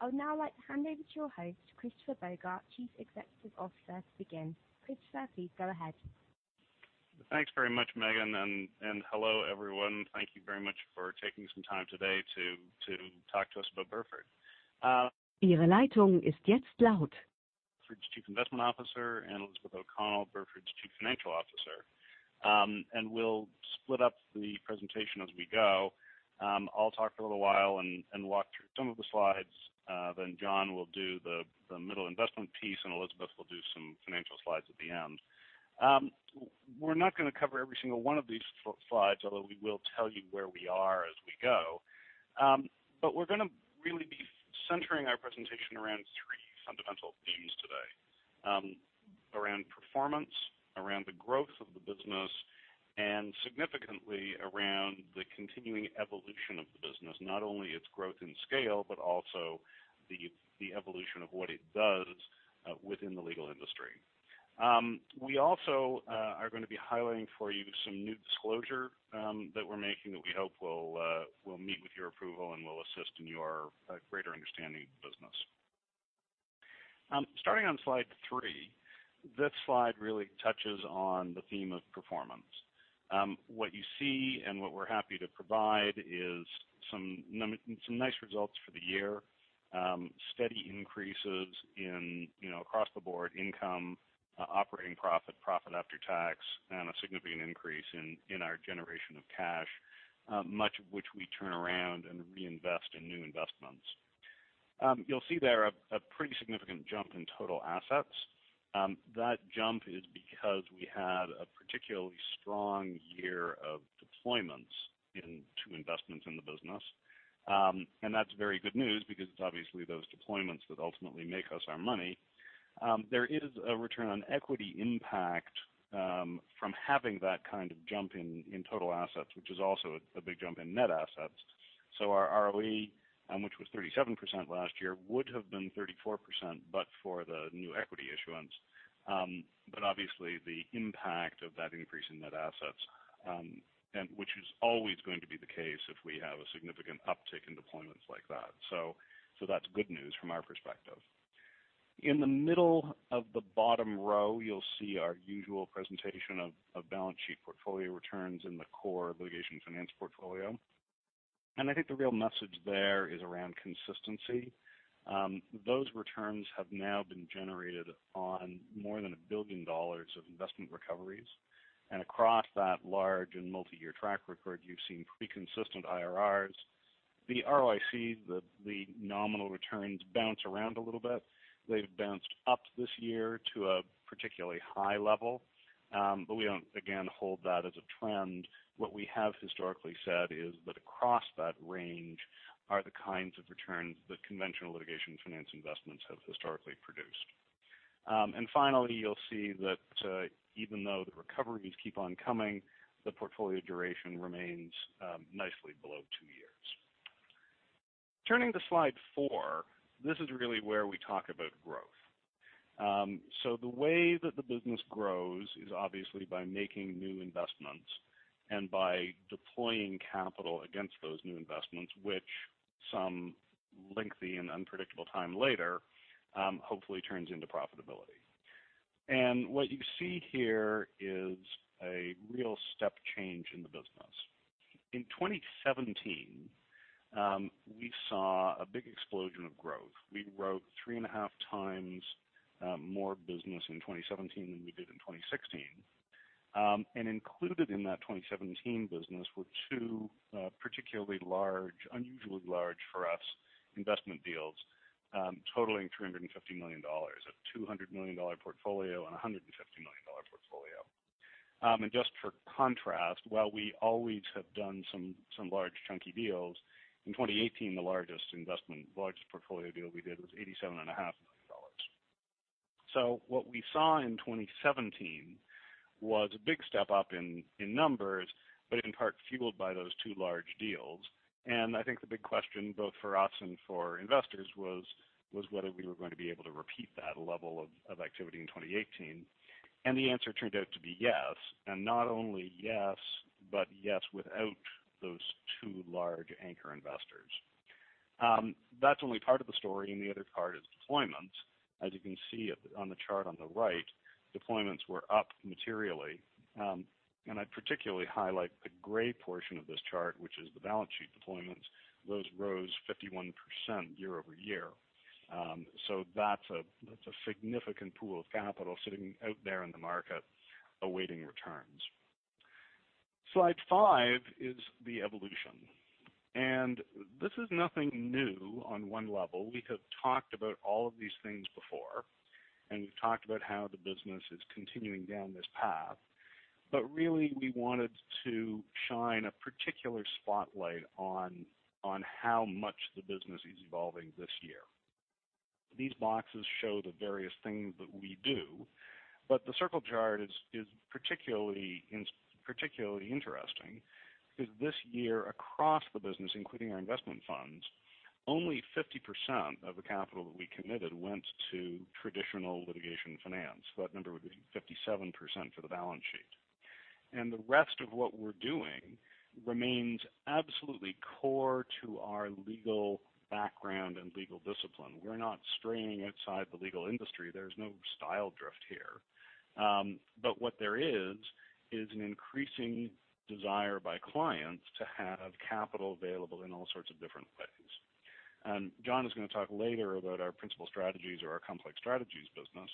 I would now like to hand over to your host, Christopher Bogart, Chief Executive Officer, to begin. Christopher, please go ahead. Thanks very much, Megan, hello, everyone. Thank you very much for taking some time today to talk to us about Burford. Burford's Chief Investment Officer, and Elizabeth O'Connell, Burford's Chief Financial Officer. We'll split up the presentation as we go. I'll talk for a little while and walk through some of the slides, Jon will do the middle investment piece, and Elizabeth will do some financial slides at the end. We're not going to cover every single one of these slides, although we will tell you where we are as we go. We're going to really be centering our presentation around three fundamental themes today. Around performance, around the growth of the business, and significantly, around the continuing evolution of the business, not only its growth and scale, but also the evolution of what it does within the legal industry. We also are going to be highlighting for you some new disclosure that we're making that we hope will meet with your approval and will assist in your greater understanding of the business. Starting on slide three, this slide really touches on the theme of performance. What you see and what we're happy to provide is some nice results for the year. Steady increases across the board, income, operating profit after tax, and a significant increase in our generation of cash, much of which we turn around and reinvest in new investments. You'll see there a pretty significant jump in total assets. That jump is because we had a particularly strong year of deployments into investments in the business. That's very good news because it's obviously those deployments that ultimately make us our money. There is a return on equity impact from having that kind of jump in total assets, which is also a big jump in net assets. Our ROE, which was 37% last year, would have been 34%, but for the new equity issuance. Obviously, the impact of that increase in net assets, which is always going to be the case if we have a significant uptick in deployments like that. That's good news from our perspective. In the middle of the bottom row, you'll see our usual presentation of balance sheet portfolio returns in the core litigation finance portfolio. I think the real message there is around consistency. Those returns have now been generated on more than $1 billion of investment recoveries. Across that large and multi-year track record, you've seen pretty consistent IRRs. The ROICs, the nominal returns bounce around a little bit. They've bounced up this year to a particularly high level. We don't, again, hold that as a trend. What we have historically said is that across that range are the kinds of returns that conventional litigation finance investments have historically produced. Finally, you'll see that even though the recoveries keep on coming, the portfolio duration remains nicely below two years. Turning to slide four, this is really where we talk about growth. The way that the business grows is obviously by making new investments and by deploying capital against those new investments, which some lengthy and unpredictable time later, hopefully turns into profitability. What you see here is a real step change in the business. In 2017, we saw a big explosion of growth. We wrote three and a half times more business in 2017 than we did in 2016. Included in that 2017 business were two particularly large, unusually large for us, investment deals totaling $350 million. A $200 million portfolio and a $150 million portfolio. Just for contrast, while we always have done some large chunky deals, in 2018, the largest investment, largest portfolio deal we did was $87.5 million. What we saw in 2017 was a big step up in numbers, but in part fueled by those two large deals. I think the big question, both for us and for investors was, whether we were going to be able to repeat that level of activity in 2018. The answer turned out to be yes, and not only yes, but yes, without those two large anchor investors. That's only part of the story, and the other part is deployment. As you can see on the chart on the right, deployments were up materially. I particularly highlight the gray portion of this chart, which is the balance sheet deployments. Those rose 51% year-over-year. That's a significant pool of capital sitting out there in the market awaiting returns. Slide five is the evolution. This is nothing new on one level. We have talked about all of these things before, and we've talked about how the business is continuing down this path. Really, we wanted to shine a particular spotlight on how much the business is evolving this year. These boxes show the various things that we do, but the circle chart is particularly interesting because this year across the business, including our investment funds, only 50% of the capital that we committed went to traditional litigation finance. That number would be 57% for the balance sheet. The rest of what we're doing remains absolutely core to our legal background and legal discipline. We're not straying outside the legal industry. There's no style drift here. What there is an increasing desire by clients to have capital available in all sorts of different ways. Jon is going to talk later about our principal strategies or our complex strategies business.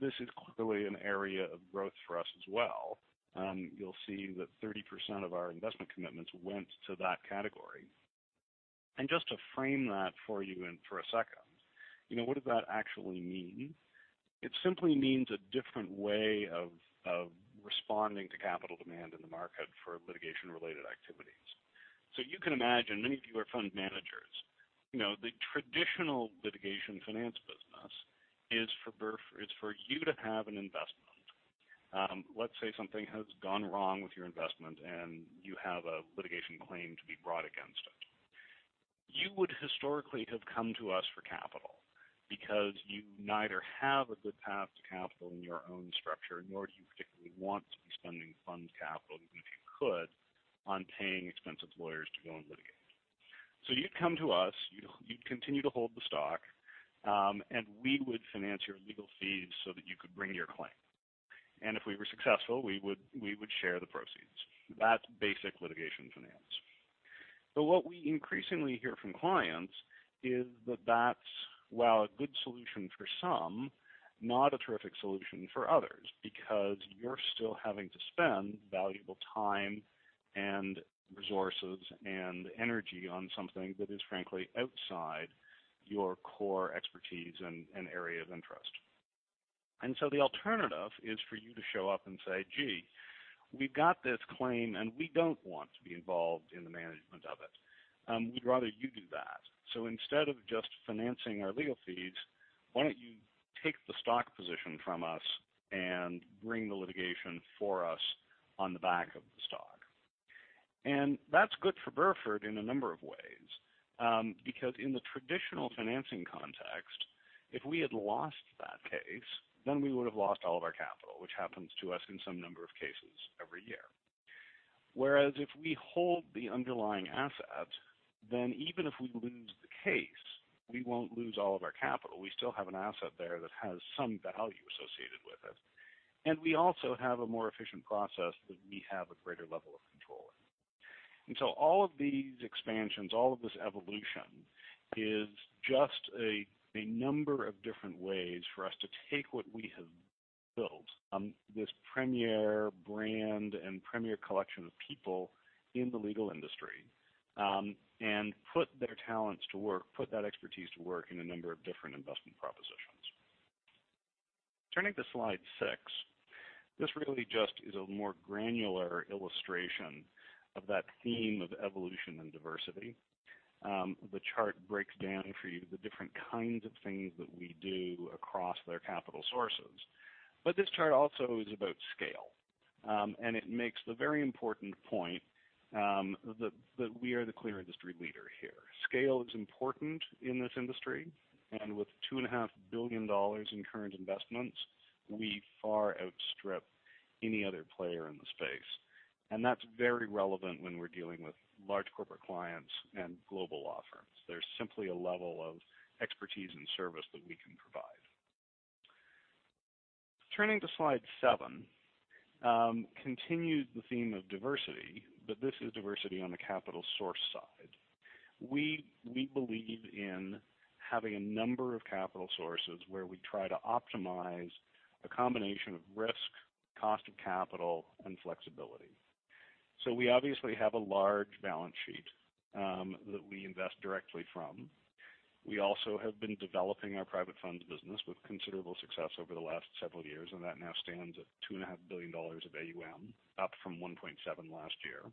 This is clearly an area of growth for us as well. You'll see that 30% of our investment commitments went to that category. Just to frame that for you for a second, what does that actually mean? It simply means a different way of responding to capital demand in the market for litigation-related activities. You can imagine, many of you are fund managers. The traditional litigation finance business is for Burford, is for you to have an investment. Let's say something has gone wrong with your investment, and you have a litigation claim to be brought against it. You would historically have come to us for capital because you neither have a good path to capital in your own structure, nor do you particularly want to be spending fund capital, even if you could, on paying expensive lawyers to go and litigate. You'd come to us, you'd continue to hold the stock, and we would finance your legal fees so that you could bring your claim. If we were successful, we would share the proceeds. That's basic litigation finance. What we increasingly hear from clients is that that's, while a good solution for some, not a terrific solution for others, because you're still having to spend valuable time and resources and energy on something that is, frankly, outside your core expertise and area of interest. The alternative is for you to show up and say, "Gee, we've got this claim, we don't want to be involved in the management of it. We'd rather you do that. Instead of just financing our legal fees, why don't you take the stock position from us and bring the litigation for us on the back of the stock?" That's good for Burford in a number of ways. In the traditional financing context, if we had lost that case, then we would have lost all of our capital, which happens to us in some number of cases every year. Whereas if we hold the underlying asset, then even if we lose the case, we won't lose all of our capital. We still have an asset there that has some value associated with it. We also have a more efficient process that we have a greater level of control in. All of these expansions, all of this evolution, is just a number of different ways for us to take what we have built, this premier brand and premier collection of people in the legal industry, and put their talents to work, put that expertise to work in a number of different investment propositions. Turning to slide six, this really just is a more granular illustration of that theme of evolution and diversity. The chart breaks down for you the different kinds of things that we do across their capital sources. This chart also is about scale. It makes the very important point that we are the clear industry leader here. Scale is important in this industry. With $2.5 billion in current investments, we far outstrip any other player in the space. That's very relevant when we're dealing with large corporate clients and global law firms. There's simply a level of expertise and service that we can provide. Turning to slide seven, continue the theme of diversity, this is diversity on the capital source side. We believe in having a number of capital sources where we try to optimize a combination of risk, cost of capital, and flexibility. We obviously have a large balance sheet that we invest directly from. We also have been developing our private funds business with considerable success over the last several years, and that now stands at $2.5 billion of AUM, up from $1.7 billion last year.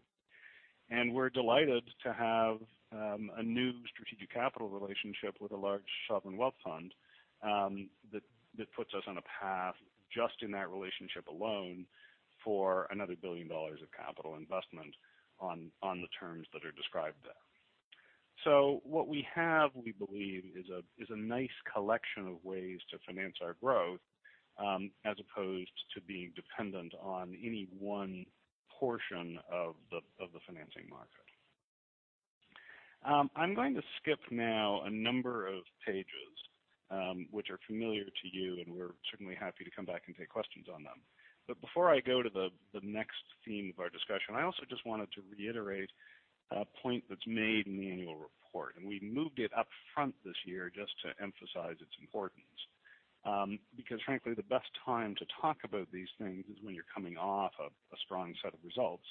We're delighted to have a new strategic capital relationship with a large sovereign wealth fund that puts us on a path just in that relationship alone for another $1 billion of capital investment on the terms that are described there. What we have, we believe, is a nice collection of ways to finance our growth as opposed to being dependent on any one portion of the financing market. I'm going to skip now a number of pages which are familiar to you, and we're certainly happy to come back and take questions on them. Before I go to the next theme of our discussion, I also just wanted to reiterate a point that's made in the annual report. We moved it up front this year just to emphasize its importance. Frankly, the best time to talk about these things is when you're coming off of a strong set of results,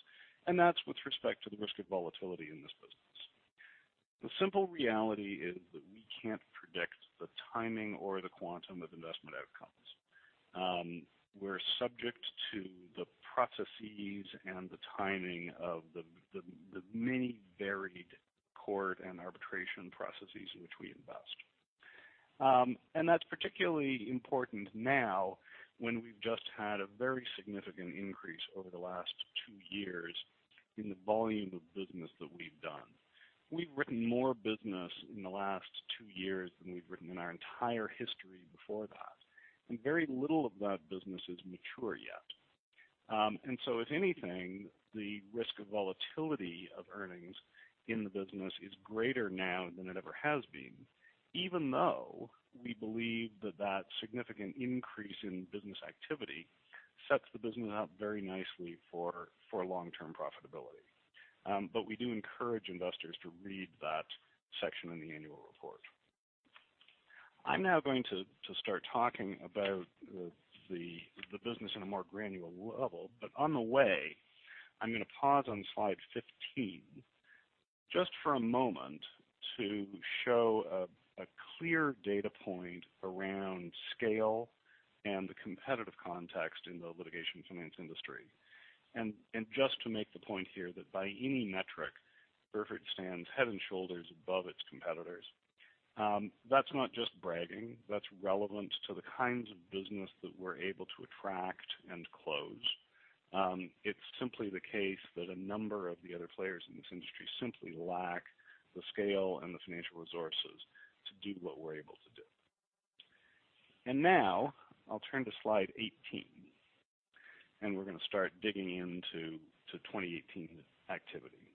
and that's with respect to the risk of volatility in this business. The simple reality is that we can't predict the timing or the quantum of investment outcomes. We're subject to the processes and the timing of the many varied court and arbitration processes in which we invest. That's particularly important now when we've just had a very significant increase over the last two years in the volume of business that we've done. We've written more business in the last two years than we've written in our entire history before that. Very little of that business is mature yet. If anything, the risk of volatility of earnings in the business is greater now than it ever has been, even though we believe that that significant increase in business activity sets the business up very nicely for long-term profitability. We do encourage investors to read that section in the annual report. I'm now going to start talking about the business in a more granular level. On the way, I'm going to pause on slide 15 just for a moment to show a clear data point around scale and the competitive context in the litigation finance industry. Just to make the point here that by any metric, Burford stands head and shoulders above its competitors. That's not just bragging. That's relevant to the kinds of business that we're able to attract and close. It's simply the case that a number of the other players in this industry simply lack the scale and the financial resources to do what we're able to do. Now I'll turn to slide 18, and we're going to start digging into 2018 activity.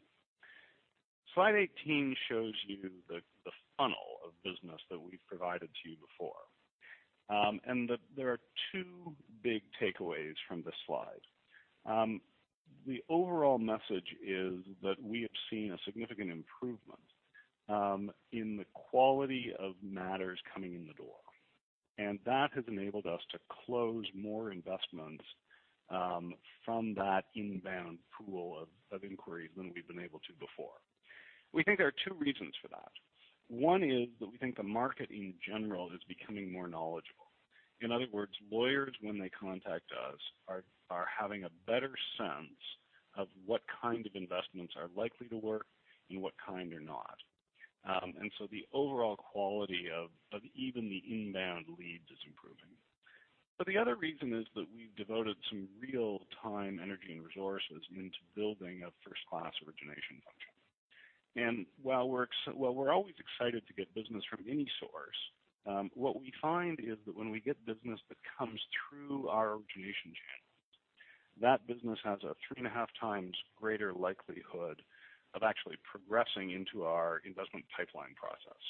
Slide 18 shows you the funnel of business that we've provided to you before. That there are two big takeaways from this slide. The overall message is that we have seen a significant improvement in the quality of matters coming in the door. That has enabled us to close more investments from that inbound pool of inquiries than we've been able to before. We think there are two reasons for that. One is that we think the market in general is becoming more knowledgeable. In other words, lawyers, when they contact us, are having a better sense of what kind of investments are likely to work and what kind are not. The overall quality of even the inbound leads is improving. The other reason is that we've devoted some real time, energy, and resources into building a first-class origination function. While we're always excited to get business from any source, what we find is that when we get business that comes through our origination channels, that business has a 3.5x greater likelihood of actually progressing into our investment pipeline process.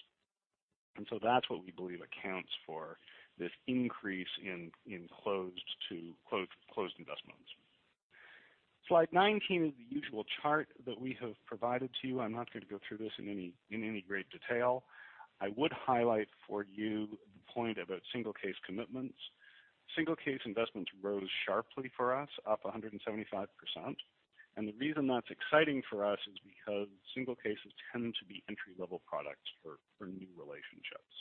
That's what we believe accounts for this increase in closed investments. Slide 19 is the usual chart that we have provided to you. I'm not going to go through this in any great detail. I would highlight for you the point about single case commitments. Single case investments rose sharply for us, up 175%. The reason that's exciting for us is because single cases tend to be entry-level products for new relationships.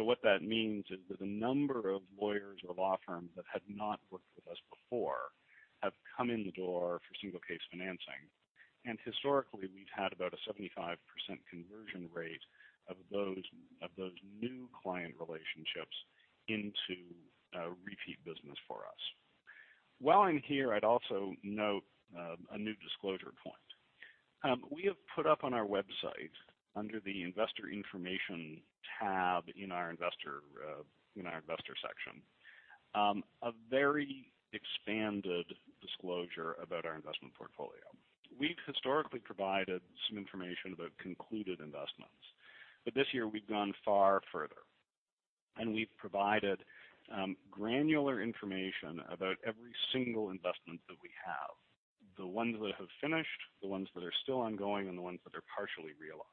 What that means is that a number of lawyers or law firms that had not worked with us before have come in the door for single case financing. Historically, we've had about a 75% conversion rate of those new client relationships into repeat business for us. While I'm here, I'd also note a new disclosure point. We have put up on our website under the Investor Information tab in our Investor section, a very expanded disclosure about our investment portfolio. We've historically provided some information about concluded investments, this year we've gone far further, we've provided granular information about every single investment that we have, the ones that have finished, the ones that are still ongoing, and the ones that are partially realized.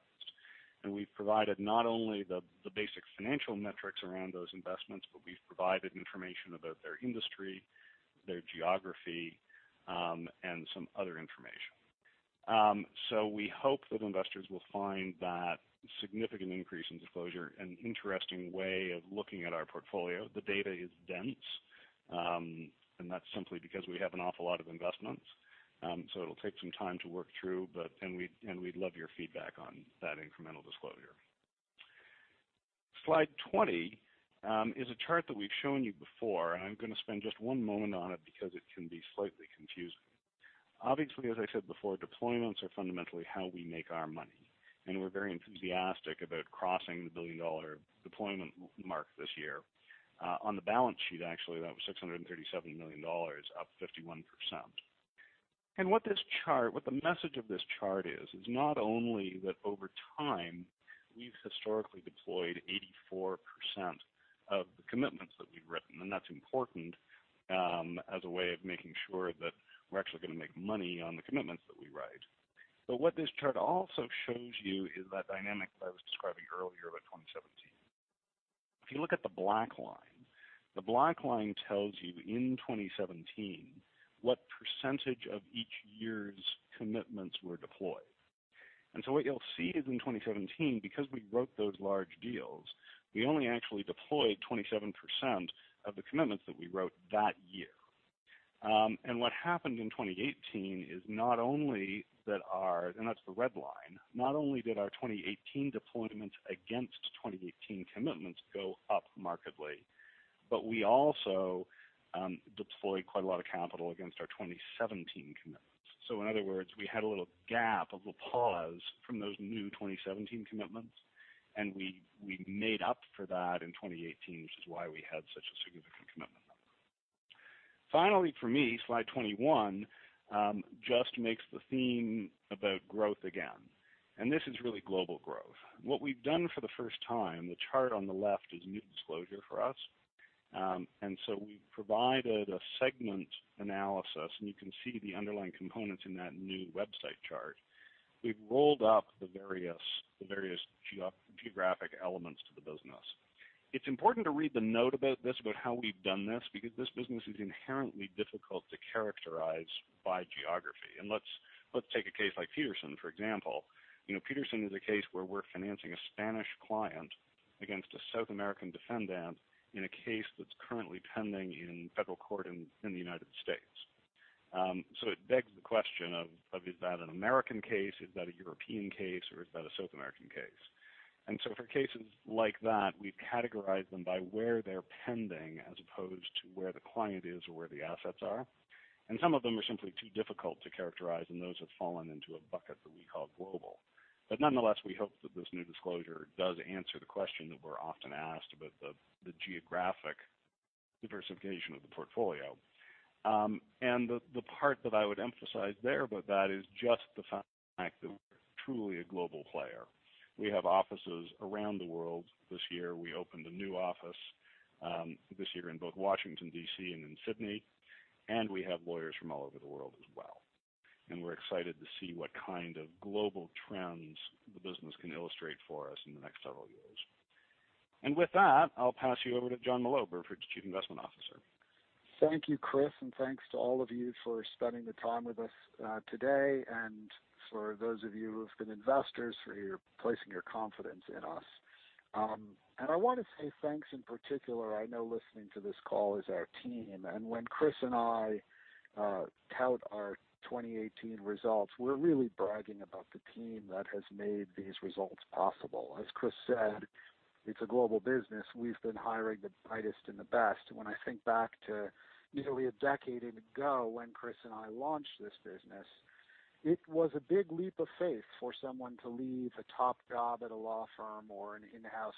We've provided not only the basic financial metrics around those investments, but we've provided information about their industry, their geography, and some other information. We hope that investors will find that significant increase in disclosure an interesting way of looking at our portfolio. The data is dense, and that's simply because we have an awful lot of investments. It'll take some time to work through, and we'd love your feedback on that incremental disclosure. Slide 20 is a chart that we've shown you before, and I'm going to spend just one moment on it because it can be slightly confusing. Obviously, as I said before, deployments are fundamentally how we make our money, and we're very enthusiastic about crossing the billion-dollar deployment mark this year. On the balance sheet, actually, that was $637 million, up 51%. What the message of this chart is not only that over time, we've historically deployed 84% of the commitments that we've written, that's important as a way of making sure that we're actually going to make money on the commitments that we write. What this chart also shows you is that dynamic that I was describing earlier about 2017. If you look at the black line, the black line tells you in 2017 what percentage of each year's commitments were deployed. What you'll see is in 2017, because we wrote those large deals, we only actually deployed 27% of the commitments that we wrote that year. What happened in 2018 is not only that our and that's the red line, not only did our 2018 deployments against 2018 commitments go up markedly. We also deployed quite a lot of capital against our 2017 commitments. In other words, we had a little gap of a pause from those new 2017 commitments, and we made up for that in 2018, which is why we had such a significant commitment number. Finally for me, slide 21, just makes the theme about growth again. This is really global growth. What we've done for the first time, the chart on the left is new disclosure for us. We provided a segment analysis, and you can see the underlying components in that new website chart. We've rolled up the various geographic elements to the business. It's important to read the note about this, about how we've done this, because this business is inherently difficult to characterize by geography. Let's take a case like Petersen, for example. Petersen is a case where we're financing a Spanish client against a South American defendant in a case that's currently pending in federal court in the U.S. It begs the question of, is that an American case? Is that a European case, or is that a South American case? For cases like that, we've categorized them by where they're pending as opposed to where the client is or where the assets are. Some of them are simply too difficult to characterize, and those have fallen into a bucket that we call global. Nonetheless, we hope that this new disclosure does answer the question that we're often asked about the geographic diversification of the portfolio. The part that I would emphasize there about that is just the fact that we're truly a global player. We have offices around the world. This year, we opened a new office this year in both Washington, D.C., and in Sydney, and we have lawyers from all over the world as well. We're excited to see what kind of global trends the business can illustrate for us in the next several years. With that, I'll pass you over to Jonathan Molot, Burford's Chief Investment Officer. Thank you, Chris, thanks to all of you for spending the time with us today, and for those of you who have been investors, for your placing your confidence in us. I want to say thanks in particular, I know listening to this call is our team. When Chris and I tout our 2018 results, we're really bragging about the team that has made these results possible. As Chris said, it's a global business. We've been hiring the brightest and the best. When I think back to nearly a decade ago when Chris and I launched this business, it was a big leap of faith for someone to leave a top job at a law firm or an in-house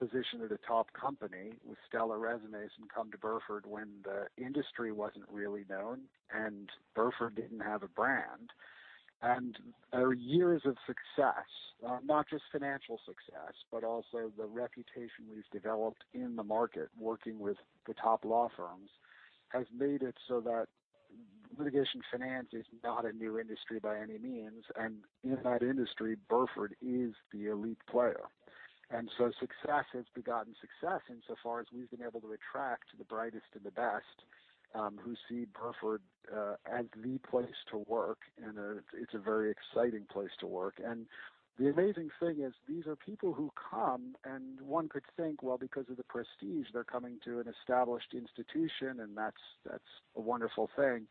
position at a top company with stellar resumes and come to Burford when the industry wasn't really known and Burford didn't have a brand. Our years of success, not just financial success, but also the reputation we've developed in the market working with the top law firms, has made it so that litigation finance is not a new industry by any means. In that industry, Burford is the elite player. Success has begotten success insofar as we've been able to attract the brightest and the best, who see Burford as the place to work, and it's a very exciting place to work. The amazing thing is these are people who come, and one could think, well, because of the prestige, they're coming to an established institution, and that's a wonderful thing.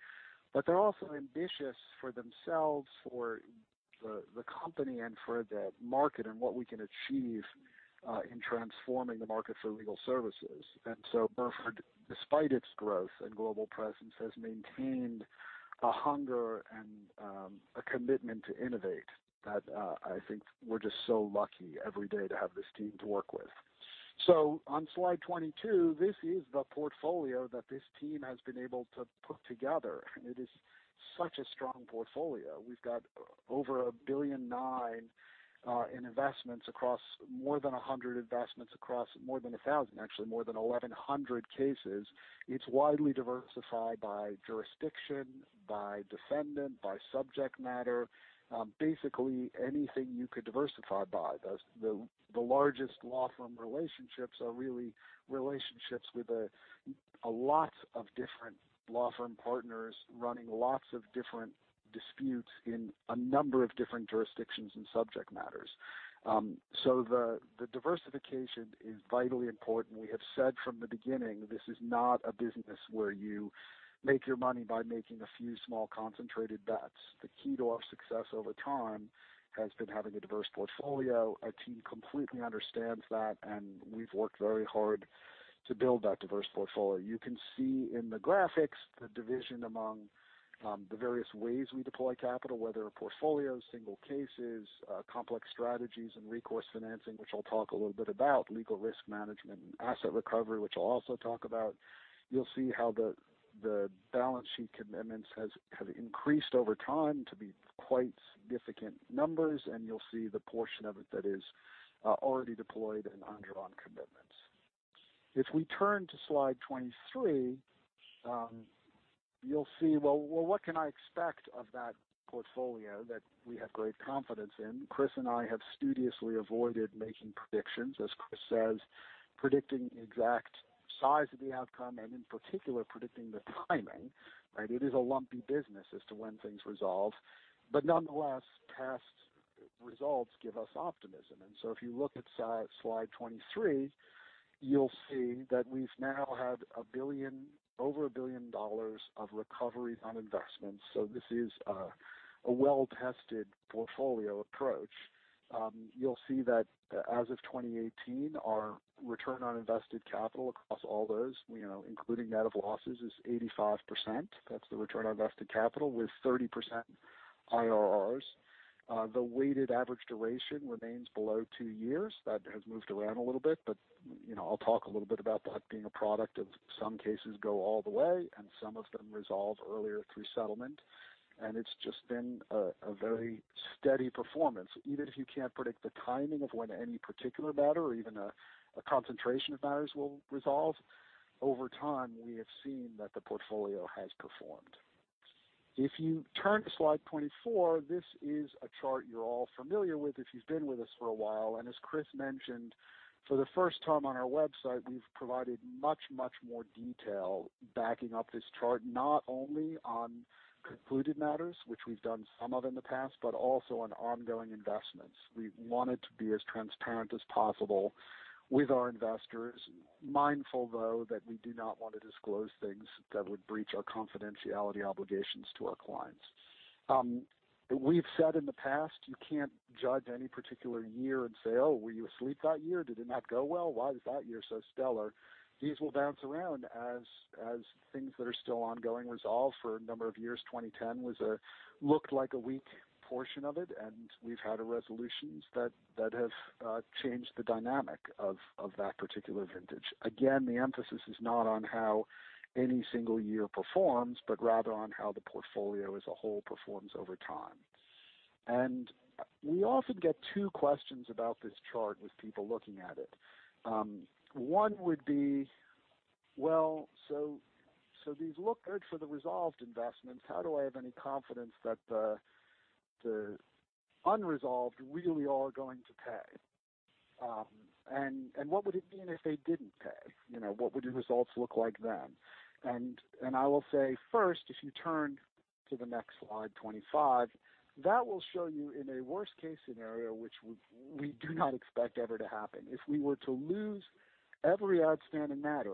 They're also ambitious for themselves, for the company, and for the market and what we can achieve in transforming the market for legal services. Burford, despite its growth and global presence, has maintained a hunger and a commitment to innovate that I think we're just so lucky every day to have this team to work with. On slide 22, this is the portfolio that this team has been able to put together. It is such a strong portfolio. We've got over $1.9 billion in investments across more than 100 investments across more than 1,000, actually more than 1,100 cases. It's widely diversified by jurisdiction, by defendant, by subject matter. Basically anything you could diversify by. The largest law firm relationships are really relationships with a lot of different law firm partners running lots of different disputes in a number of different jurisdictions and subject matters. The diversification is vitally important. We have said from the beginning, this is not a business where you make your money by making a few small, concentrated bets. The key to our success over time has been having a diverse portfolio. Our team completely understands that, and we've worked very hard to build that diverse portfolio. You can see in the graphics the division among the various ways we deploy capital, whether portfolios, single cases, complex strategies and recourse financing, which I'll talk a little bit about, legal risk management and asset recovery, which I'll also talk about. You'll see how the balance sheet commitments have increased over time to be quite significant numbers, and you'll see the portion of it that is already deployed and undrawn commitments. If we turn to slide 23, you'll see, well, what can I expect of that portfolio that we have great confidence in? Chris and I have studiously avoided making predictions. As Chris says, predicting the exact size of the outcome, and in particular, predicting the timing, right? It is a lumpy business as to when things resolve. Nonetheless, past results give us optimism. If you look at slide 23, you'll see that we've now had over $1 billion of recovery on investments. This is a well-tested portfolio approach. You'll see that as of 2018, our return on invested capital across all those, including net of losses, is 85%. That's the return on invested capital with 30% IRRs. The weighted average duration remains below two years. That has moved around a little bit, but I'll talk a little bit about that being a product of some cases go all the way, and some of them resolve earlier through settlement. It's just been a very steady performance. Even if you can't predict the timing of when any particular matter or even a concentration of matters will resolve, over time, we have seen that the portfolio has performed. If you turn to slide 24, this is a chart you're all familiar with if you've been with us for a while. As Chris mentioned, for the first time on our website, we've provided much more detail backing up this chart, not only on concluded matters, which we've done some of in the past, but also on ongoing investments. We've wanted to be as transparent as possible with our investors, mindful though that we do not want to disclose things that would breach our confidentiality obligations to our clients. We've said in the past, you can't judge any particular year and say, "Oh, were you asleep that year? Did it not go well? Why was that year so stellar?" These will bounce around as things that are still ongoing resolve for a number of years. 2010 looked like a weak portion of it, We've had resolutions that have changed the dynamic of that particular vintage. Again, the emphasis is not on how any single year performs, but rather on how the portfolio as a whole performs over time. We often get two questions about this chart with people looking at it. One would be, well, so these look good for the resolved investments. How do I have any confidence that the unresolved really are going to pay? What would it mean if they didn't pay? What would the results look like then? I will say first, if you turn to the next slide, 25, that will show you in a worst-case scenario, which we do not expect ever to happen. If we were to lose every outstanding matter,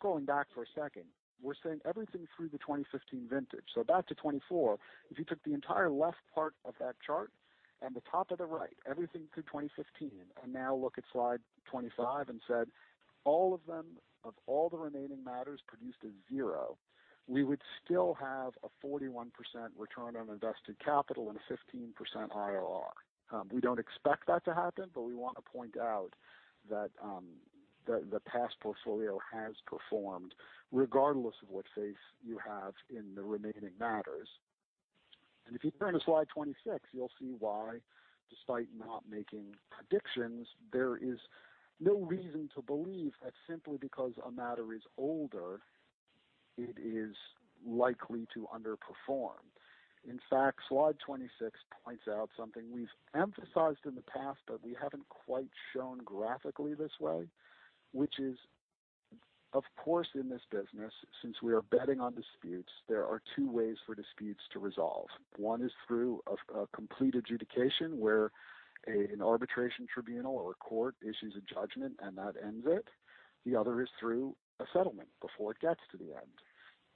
scrolling back for a second, we're saying everything through the 2015 vintage. Back to 24, if you took the entire left part of that chart and the top of the right, everything through 2015, and now look at slide 25 and said, all of them, of all the remaining matters produced a zero, we would still have a 41% return on invested capital and a 15% IRR. We don't expect that to happen, but we want to point out that the past portfolio has performed regardless of what faith you have in the remaining matters. If you turn to slide 26, you'll see why, despite not making predictions, there is no reason to believe that simply because a matter is older, it is likely to underperform. In fact, slide 26 points out something we've emphasized in the past, but we haven't quite shown graphically this way, which is, of course, in this business, since we are betting on disputes, there are two ways for disputes to resolve. One is through a complete adjudication where an arbitration tribunal or a court issues a judgment, and that ends it. The other is through a settlement before it gets to the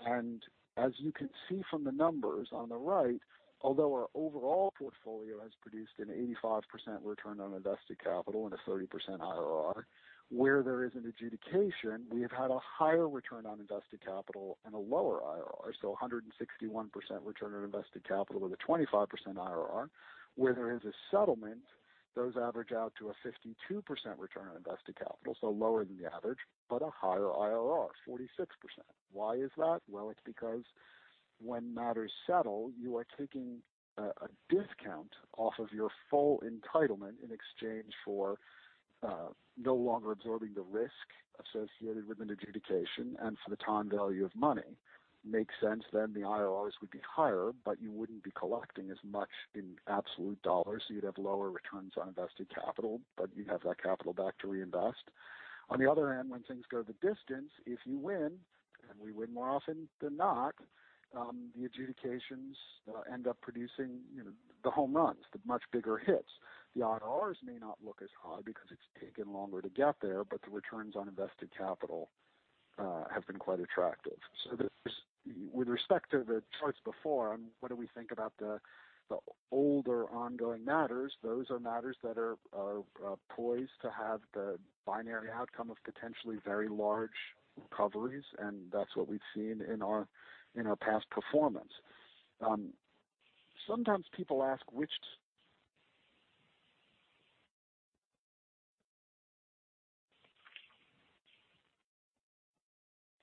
end. As you can see from the numbers on the right, although our overall portfolio has produced an 85% return on invested capital and a 30% IRR, where there is an adjudication, we have had a higher return on invested capital and a lower IRR. 161% return on invested capital with a 25% IRR. Where there is a settlement, those average out to a 52% return on invested capital, lower than the average, but a higher IRR, 46%. Why is that? Well, it's because when matters settle, you are taking a discount off of your full entitlement in exchange for no longer absorbing the risk associated with an adjudication and for the time value of money. Makes sense, the IRRs would be higher, but you wouldn't be collecting as much in absolute dollars, so you'd have lower returns on invested capital, but you'd have that capital back to reinvest. On the other hand, when things go the distance, if you win, and we win more often than not, the adjudications end up producing the home runs, the much bigger hits. The IRRs may not look as high because it's taken longer to get there, but the returns on invested capital have been quite attractive. With respect to the charts before, what do we think about the older ongoing matters? Those are matters that are poised to have the binary outcome of potentially very large recoveries, and that's what we've seen in our past performance. Sometimes people ask which...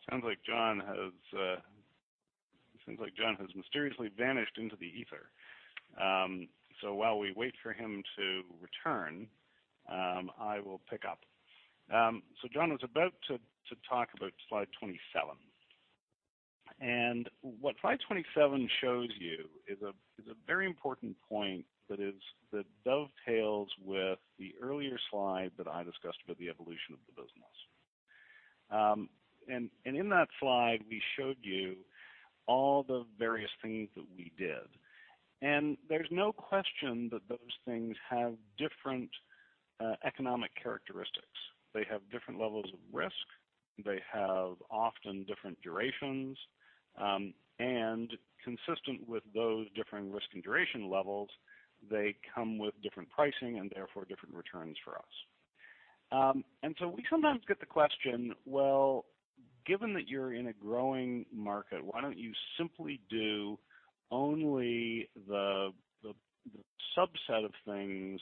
Sounds like Jon has mysteriously vanished into the ether. While we wait for him to return, I will pick up. Jon was about to talk about slide 27. What slide 27 shows you is a very important point that dovetails with the earlier slide that I discussed about the evolution of the business. In that slide, we showed you all the various things that we did. There's no question that those things have different economic characteristics. They have different levels of risk. They have often different durations. Consistent with those different risk and duration levels, they come with different pricing and therefore different returns for us. We sometimes get the question, well, given that you're in a growing market, why don't you simply do only the subset of things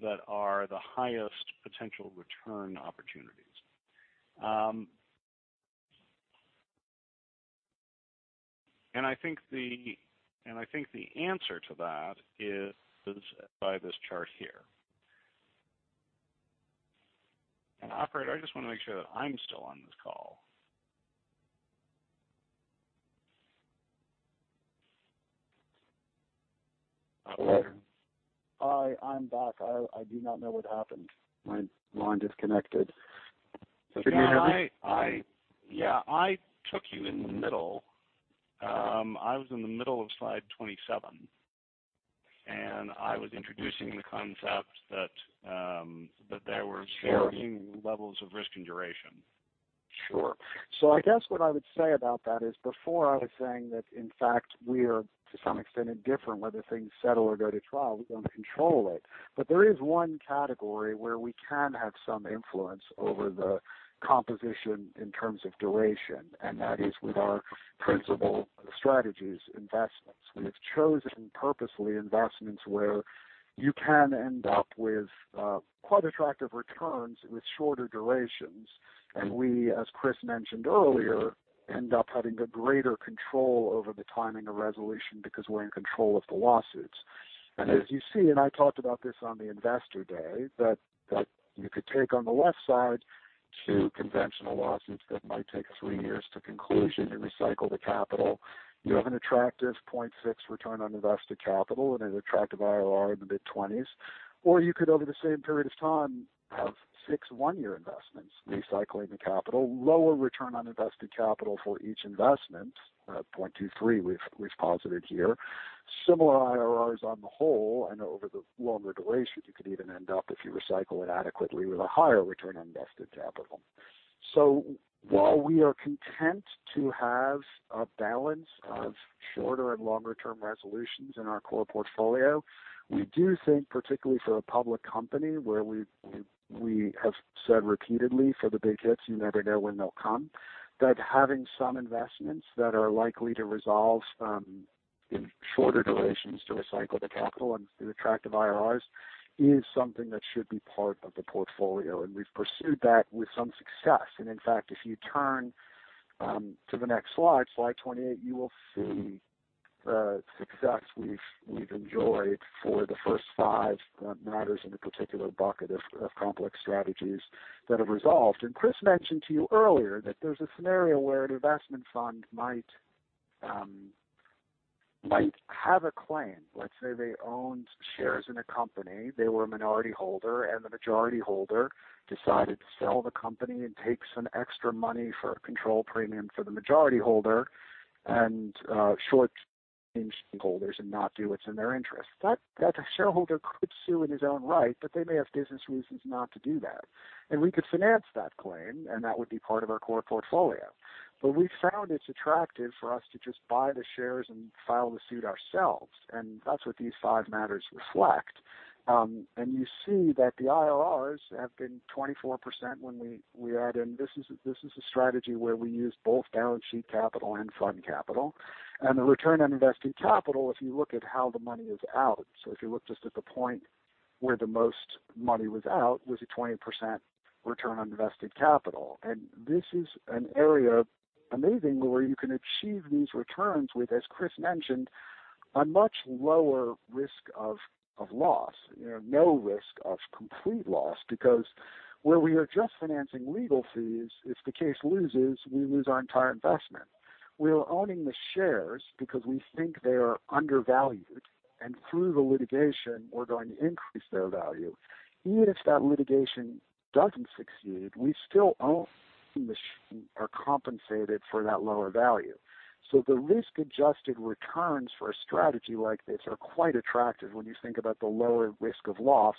that are the highest potential return opportunities? I think the answer to that is by this chart here. Operator, I just want to make sure that I'm still on this call. Hi, I'm back. I do not know what happened. My line disconnected. Can you hear me? Yeah, I took you in the middle. I was in the middle of slide 27. I was introducing the concept that there were varying levels of risk and duration. Sure. I guess what I would say about that is before I was saying that, in fact, we are to some extent indifferent whether things settle or go to trial, we don't control it. There is one category where we can have some influence over the composition in terms of duration, and that is with our Principal Strategies investments. We have chosen purposely investments where you can end up with quite attractive returns with shorter durations. We, as Chris mentioned earlier, end up having a greater control over the timing of resolution because we're in control of the lawsuits. As you see, and I talked about this on the Investor Day, that you could take on the left side two conventional lawsuits that might take three years to conclusion and recycle the capital. You have an attractive 0.6 return on invested capital and an attractive IRR in the mid-20s. You could, over the same period of time, have six one-year investments, recycling the capital, lower return on invested capital for each investment, 0.23 we've posited here. Similar IRRs on the whole, and over the longer duration, you could even end up, if you recycle it adequately, with a higher return on invested capital. While we are content to have a balance of shorter and longer term resolutions in our core portfolio, we do think, particularly for a public company where we have said repeatedly for the big hits, you never know when they'll come, that having some investments that are likely to resolve in shorter durations to recycle the capital and through attractive IRRs is something that should be part of the portfolio, and we've pursued that with some success. In fact, if you turn to the next slide 28, you will see the success we've enjoyed for the first five matters in a particular bucket of Complex Strategies that have resolved. Chris mentioned to you earlier that there's a scenario where an investment fund might have a claim. Let's say they owned shares in a company, they were a minority holder, and the majority holder decided to sell the company and take some extra money for a control premium for the majority holder and shortchange shareholders and not do what's in their interest. That shareholder could sue in his own right, but they may have business reasons not to do that. We could finance that claim, and that would be part of our core portfolio. We found it's attractive for us to just buy the shares and file the suit ourselves, and that's what these five matters reflect. You see that the IRRs have been 24% when we add in. This is a strategy where we use both balance sheet capital and fund capital. The return on invested capital, if you look at how the money is out, so if you look just at the point where the most money was out, was a 20% return on invested capital. This is an area, amazingly, where you can achieve these returns with, as Chris mentioned, a much lower risk of loss. No risk of complete loss, because where we are just financing legal fees, if the case loses, we lose our entire investment. We're owning the shares because we think they are undervalued, and through the litigation, we're going to increase their value. Even if that litigation doesn't succeed, we still own the shares or compensated for that lower value. The risk-adjusted returns for a strategy like this are quite attractive when you think about the lower risk of loss,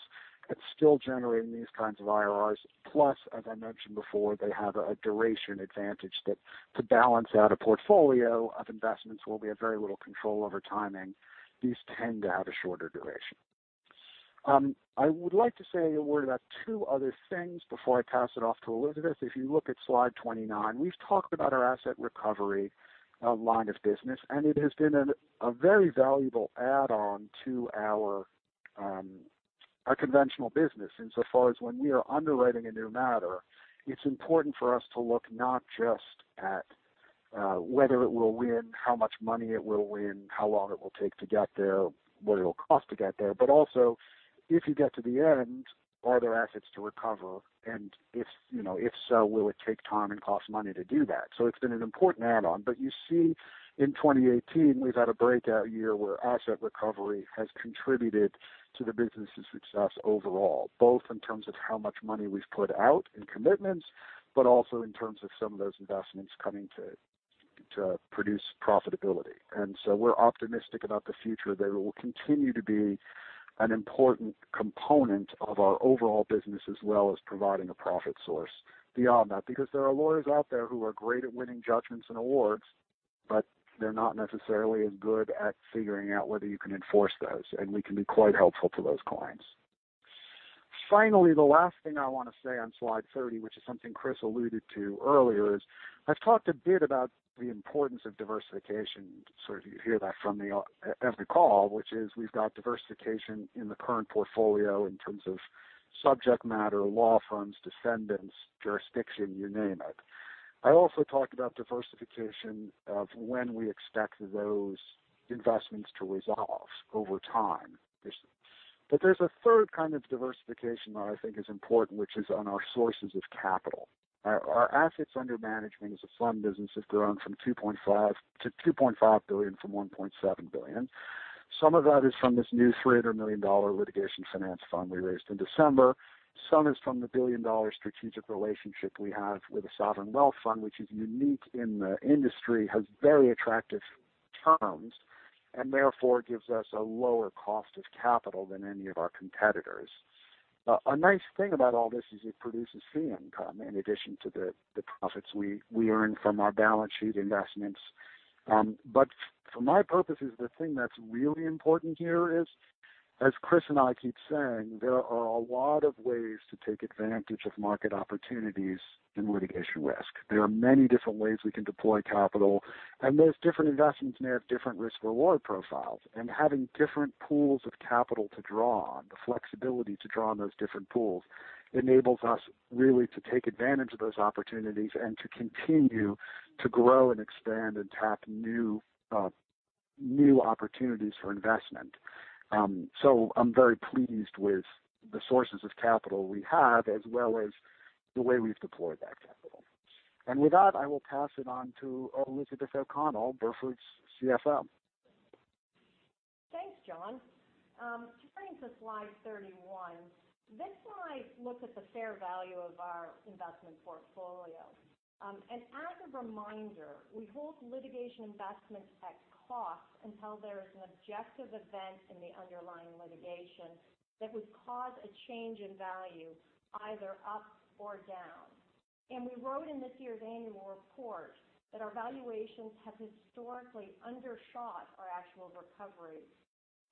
but still generating these kinds of IRRs. As I mentioned before, they have a duration advantage that to balance out a portfolio of investments where we have very little control over timing, these tend to have a shorter duration. I would like to say a word about two other things before I pass it off to Elizabeth. If you look at slide 29, we've talked about our Asset Recovery line of business, and it has been a very valuable add-on to our conventional business. Insofar as when we are underwriting a new matter, it's important for us to look not just at whether it will win, how much money it will win, how long it will take to get there, what it'll cost to get there. Also, if you get to the end, are there assets to recover? If so, will it take time and cost money to do that? It's been an important add-on. You see in 2018, we've had a breakout year where Asset Recovery has contributed to the business's success overall, both in terms of how much money we've put out in commitments, but also in terms of some of those investments coming to produce profitability. We're optimistic about the future. They will continue to be an important component of our overall business as well as providing a profit source beyond that, because there are lawyers out there who are great at winning judgments and awards, but they are not necessarily as good at figuring out whether you can enforce those, and we can be quite helpful to those clients. Finally, the last thing I want to say on slide 30, which is something Chris alluded to earlier, is I have talked a bit about the importance of diversification. You hear that from me every call, which is we have got diversification in the current portfolio in terms of subject matter, law firms, defendants, jurisdiction, you name it. I also talked about diversification of when we expect those investments to resolve over time. There is a third kind of diversification that I think is important, which is on our sources of capital. Our assets under management as a fund business have grown to $2.5 billion from $1.7 billion. Some of that is from this new $300 million litigation finance fund we raised in December. Some is from the billion-dollar strategic relationship we have with the Sovereign Wealth Fund, which is unique in the industry, has very attractive terms, and therefore gives us a lower cost of capital than any of our competitors. A nice thing about all this is it produces fee income in addition to the profits we earn from our balance sheet investments. For my purposes, the thing that is really important here is, as Chris and I keep saying, there are a lot of ways to take advantage of market opportunities in litigation risk. There are many different ways we can deploy capital, and those different investments may have different risk-reward profiles. Having different pools of capital to draw on, the flexibility to draw on those different pools, enables us really to take advantage of those opportunities and to continue to grow and expand and tap new opportunities for investment. I am very pleased with the sources of capital we have, as well as the way we have deployed that capital. With that, I will pass it on to Elizabeth O'Connell, Burford's CFO. Thanks, Jon. Turning to slide 31. This slide looks at the fair value of our investment portfolio. As a reminder, we hold litigation investments at cost until there is an objective event in the underlying litigation that would cause a change in value either up or down. We wrote in this year's annual report that our valuations have historically undershot our actual recoveries,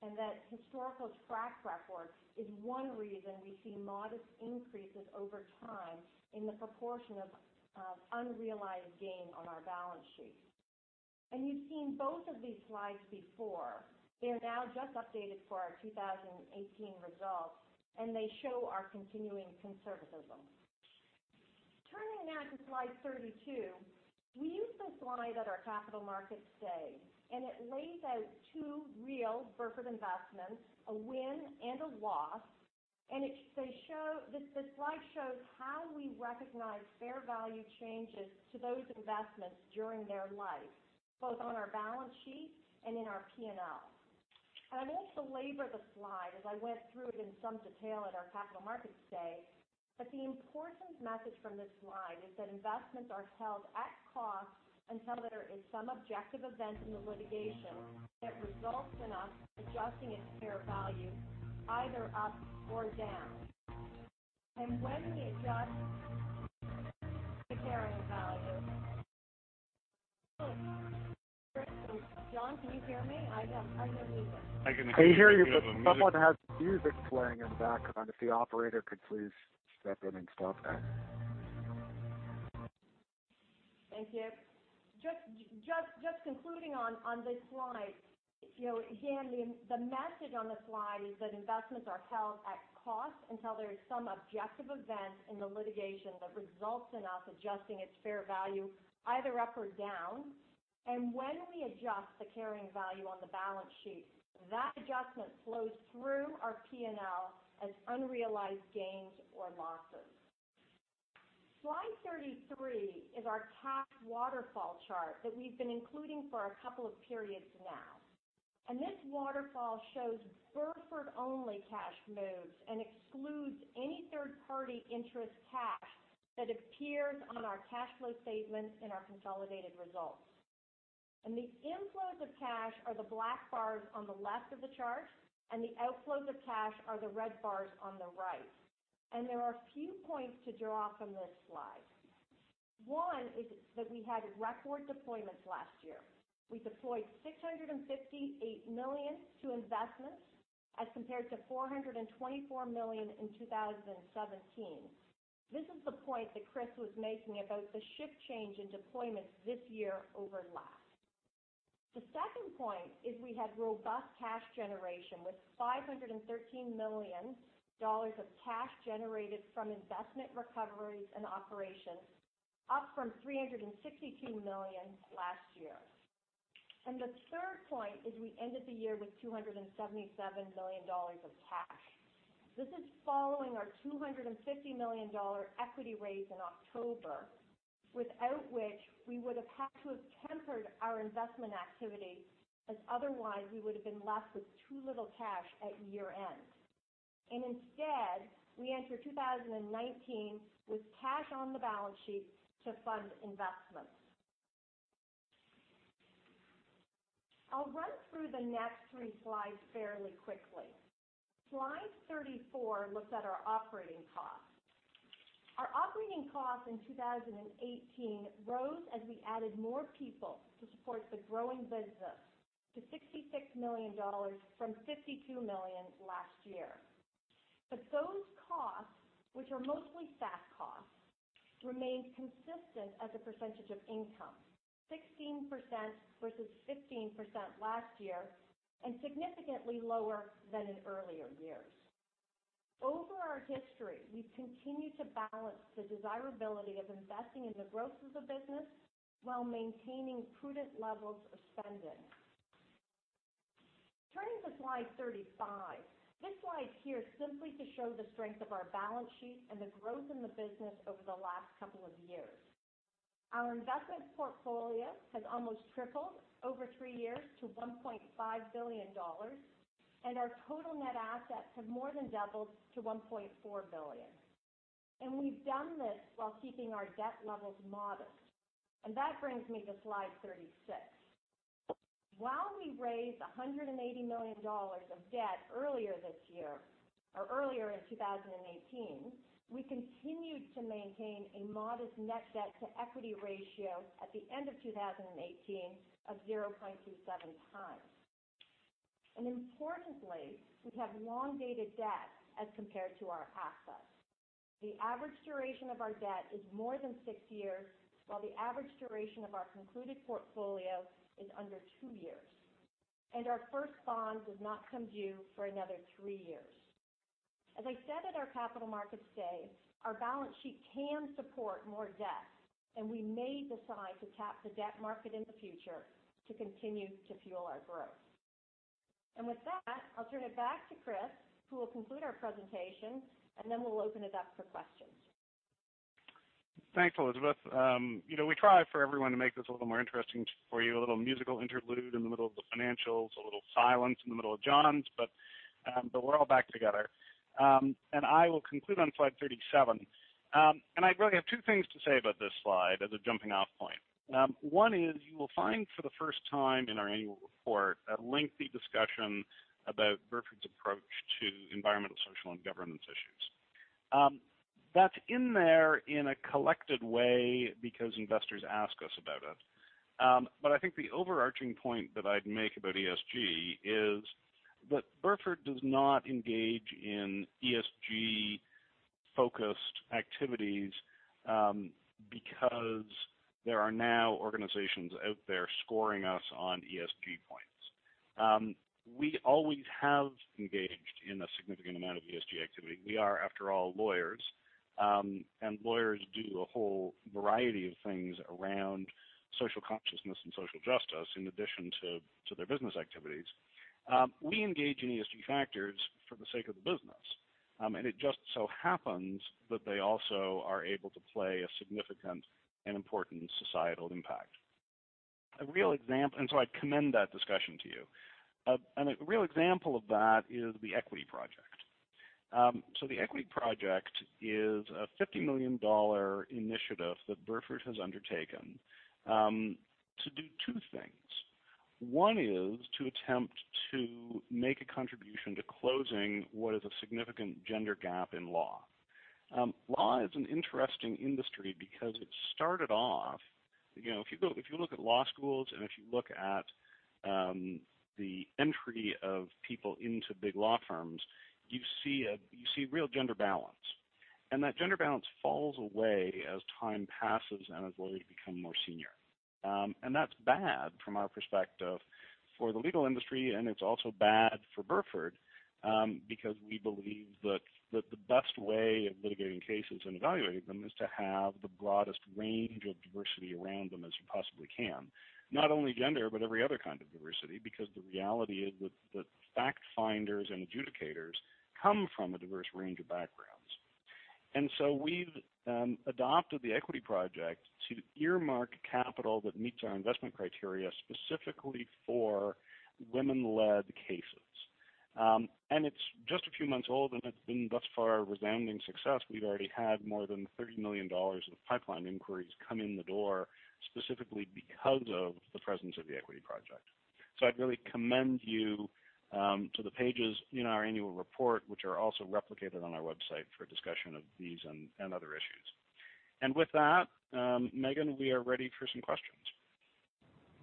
and that historical track record is one reason we see modest increases over time in the proportion of unrealized gain on our balance sheet. You have seen both of these slides before. They are now just updated for our 2018 results, and they show our continuing conservatism. Turning now to slide 32. We use this slide at our Capital Markets Day, and it lays out two real Burford investments, a win and a loss. The slide shows how we recognize fair value changes to those investments during their life, both on our balance sheet and in our P&L. I won't belabor the slide as I went through it in some detail at our Capital Markets Day, the important message from this slide is that investments are held at cost until there is some objective event in the litigation that results in us adjusting its fair value either up or down. When we adjust the carrying value Jon, can you hear me? I'm on mute. I can hear you, someone has music playing in the background. If the operator could please step in and stop that. Thank you. Just concluding on this slide. Again, the message on the slide is that investments are held at cost until there is some objective event in the litigation that results in us adjusting its fair value either up or down. When we adjust the carrying value on the balance sheet, that adjustment flows through our P&L as unrealized gains or losses. Slide 33 is our cash waterfall chart that we've been including for a couple of periods now. This waterfall shows Burford-only cash moves and excludes any third-party interest cash that appears on our cash flow statement in our consolidated results. The inflows of cash are the black bars on the left of the chart, the outflows of cash are the red bars on the right. There are a few points to draw from this slide. One is that we had record deployments last year. We deployed $658 million to investments as compared to $424 million in 2017. This is the point that Chris was making about the shift change in deployments this year over last. The second point is we had robust cash generation with $513 million of cash generated from investment recoveries and operations, up from $362 million last year. The third point is we ended the year with $277 million of cash. This is following our $250 million equity raise in October, without which we would have had to have tempered our investment activity, as otherwise we would have been left with too little cash at year-end. Instead, we enter 2019 with cash on the balance sheet to fund investments. I'll run through the next three slides fairly quickly. Slide 34 looks at our operating costs. Our operating costs in 2018 rose as we added more people to support the growing business to $66 million from $52 million last year. Those costs, which are mostly staff costs, remained consistent as a percentage of income, 16% versus 15% last year, and significantly lower than in earlier years. Over our history, we've continued to balance the desirability of investing in the growth of the business while maintaining prudent levels of spending. Turning to slide 35. This slide's here simply to show the strength of our balance sheet and the growth in the business over the last couple of years. Our investment portfolio has almost tripled over three years to $1.5 billion, and our total net assets have more than doubled to $1.4 billion. We've done this while keeping our debt levels modest. That brings me to slide 36. While we raised $180 million of debt earlier in 2018, we continued to maintain a modest net debt to equity ratio at the end of 2018 of 0.27 times. Importantly, we have long-dated debt as compared to our assets. The average duration of our debt is more than six years, while the average duration of our concluded portfolio is under two years. Our first bond does not come due for another three years. As I said at our Capital Markets Day, our balance sheet can support more debt, and we may decide to tap the debt market in the future to continue to fuel our growth. With that, I'll turn it back to Chris, who will conclude our presentation, and then we'll open it up for questions. Thanks, Elizabeth. We try for everyone to make this a little more interesting for you, a little musical interlude in the middle of the financials, a little silence in the middle of Jon's, but we're all back together. I will conclude on slide 37. I really have two things to say about this slide as a jumping-off point. One is you will find for the first time in our annual report, a lengthy discussion about Burford's approach to environmental, social, and governance issues. That's in there in a collected way because investors ask us about it. I think the overarching point that I'd make about ESG is that Burford does not engage in ESG-focused activities because there are now organizations out there scoring us on ESG points. We always have engaged in a significant amount of ESG activity. We are, after all, lawyers. Lawyers do a whole variety of things around social consciousness and social justice in addition to their business activities. We engage in ESG factors for the sake of the business. It just so happens that they also are able to play a significant and important societal impact. I commend that discussion to you. A real example of that is The Equity Project. The Equity Project is a $50 million initiative that Burford has undertaken to do two things. One is to attempt to make a contribution to closing what is a significant gender gap in law. Law is an interesting industry because it started off—if you look at law schools and if you look at the entry of people into big law firms, you see real gender balance. That gender balance falls away as time passes and as lawyers become more senior. That's bad from our perspective for the legal industry, and it's also bad for Burford, because we believe that the best way of litigating cases and evaluating them is to have the broadest range of diversity around them as you possibly can, not only gender, but every other kind of diversity, because the reality is that fact finders and adjudicators come from a diverse range of backgrounds. We've adopted The Equity Project to earmark capital that meets our investment criteria specifically for women-led cases. It's just a few months old, and it's been thus far a resounding success. We've already had more than $30 million of pipeline inquiries come in the door specifically because of the presence of The Equity Project. I'd really commend you to the pages in our annual report, which are also replicated on our website for a discussion of these and other issues. With that, Megan, we are ready for some questions.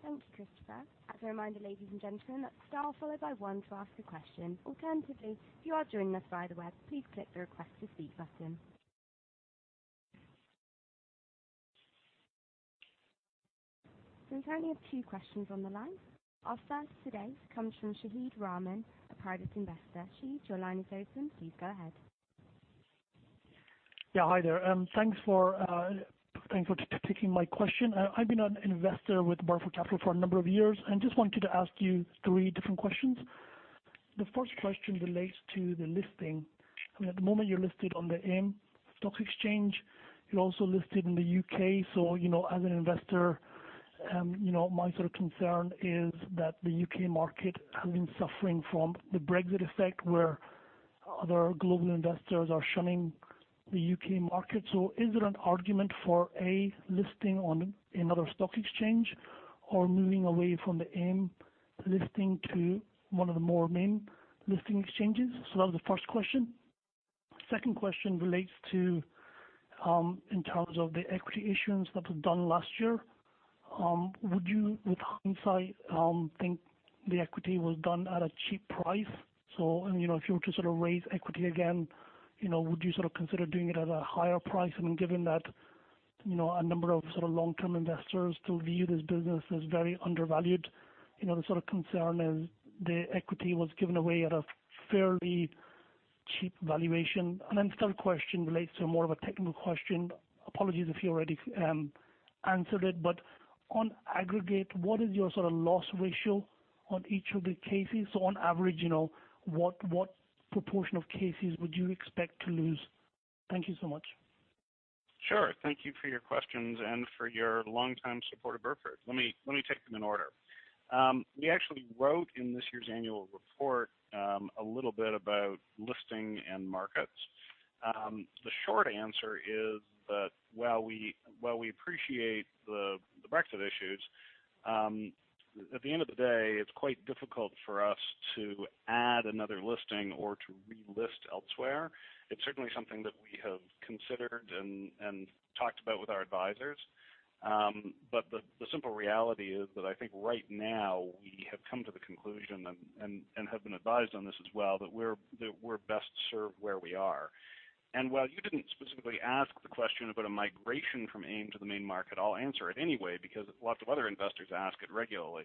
Thanks, Christopher. As a reminder, ladies and gentlemen, star followed by one to ask a question. Alternatively, if you are joining us via the web, please click the Request to Speak button. We currently have two questions on the line. Our first today comes from Shahid Rahman, a private investor. Shahid, your line is open. Please go ahead. Yeah, hi there. Thanks for taking my question. I've been an investor with Burford Capital for a number of years and just wanted to ask you three different questions. The first question relates to the listing. At the moment, you're listed on the AIM Stock Exchange. You're also listed in the U.K. As an investor My concern is that the U.K. market has been suffering from the Brexit effect where other global investors are shunning the U.K. market. Is there an argument for a listing on another stock exchange or moving away from the AIM listing to one of the more main listing exchanges? That was the first question. Second question relates to in terms of the equity issuance that was done last year. Would you, with hindsight, think the equity was done at a cheap price? If you were to sort of raise equity again, would you consider doing it at a higher price? I mean, given that a number of long-term investors still view this business as very undervalued. The concern is the equity was given away at a fairly cheap valuation. Third question relates to more of a technical question. Apologies if you already answered it, on aggregate, what is your sort of loss ratio on each of the cases? On average, what proportion of cases would you expect to lose? Thank you so much. Sure. Thank you for your questions and for your longtime support of Burford. Let me take them in order. We actually wrote in this year's annual report a little bit about listing and markets. The short answer is that while we appreciate the Brexit issues, at the end of the day, it's quite difficult for us to add another listing or to relist elsewhere. It's certainly something that we have considered and talked about with our advisors. The simple reality is that I think right now we have come to the conclusion, and have been advised on this as well, that we're best served where we are. While you didn't specifically ask the question about a migration from AIM to the main market, I'll answer it anyway because lots of other investors ask it regularly.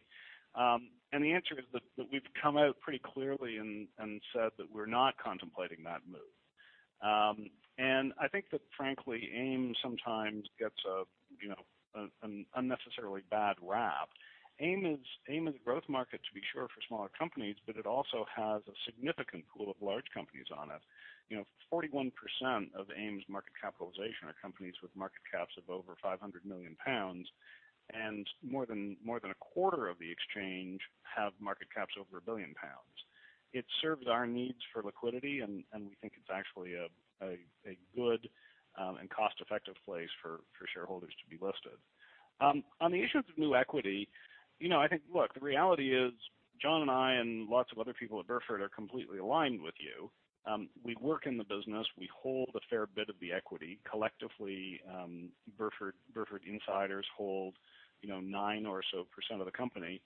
The answer is that we've come out pretty clearly and said that we're not contemplating that move. I think that frankly, AIM sometimes gets an unnecessarily bad rap. AIM is a growth market, to be sure, for smaller companies, but it also has a significant pool of large companies on it. 41% of AIM's market capitalization are companies with market caps of over 500 million pounds, and more than a quarter of the exchange have market caps over 1 billion pounds. It serves our needs for liquidity, and we think it's actually a good and cost-effective place for shareholders to be listed. On the issue of new equity, I think, look, the reality is Jon and I and lots of other people at Burford are completely aligned with you. We work in the business. We hold a fair bit of the equity. Collectively, Burford insiders hold 9% or so of the company.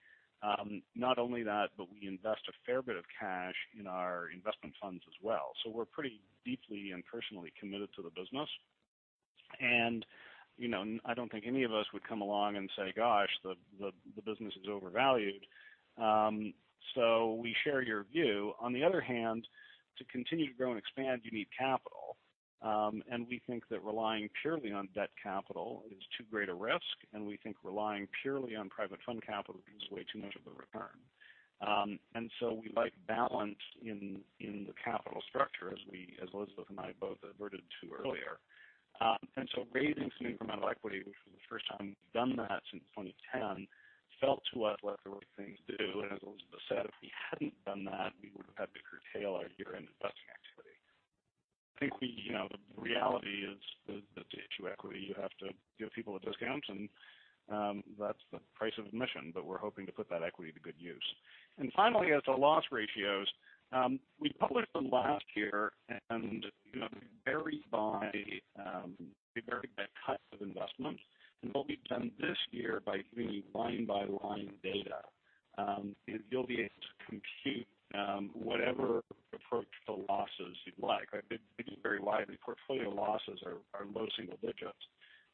Not only that, but we invest a fair bit of cash in our investment funds as well. We're pretty deeply and personally committed to the business. I don't think any of us would come along and say, "Gosh, the business is overvalued." We share your view. On the other hand, to continue to grow and expand, you need capital. We think that relying purely on debt capital is too great a risk, and we think relying purely on private fund capital gives away too much of the return. We like balance in the capital structure as Elizabeth and I both adverted to earlier. Raising some incremental equity, which was the first time we've done that since 2010, felt to us like the right thing to do. As Elizabeth said, if we hadn't done that, we would have had to curtail our year-end investing activity. I think the reality is that to issue equity, you have to give people a discount, and that's the price of admission, but we're hoping to put that equity to good use. Finally, as to loss ratios, we published them last year, and they vary by type of investment. What we've done this year by giving you line-by-line data is you'll be able to compute whatever approach to losses you'd like. They vary widely. Portfolio losses are low single digits,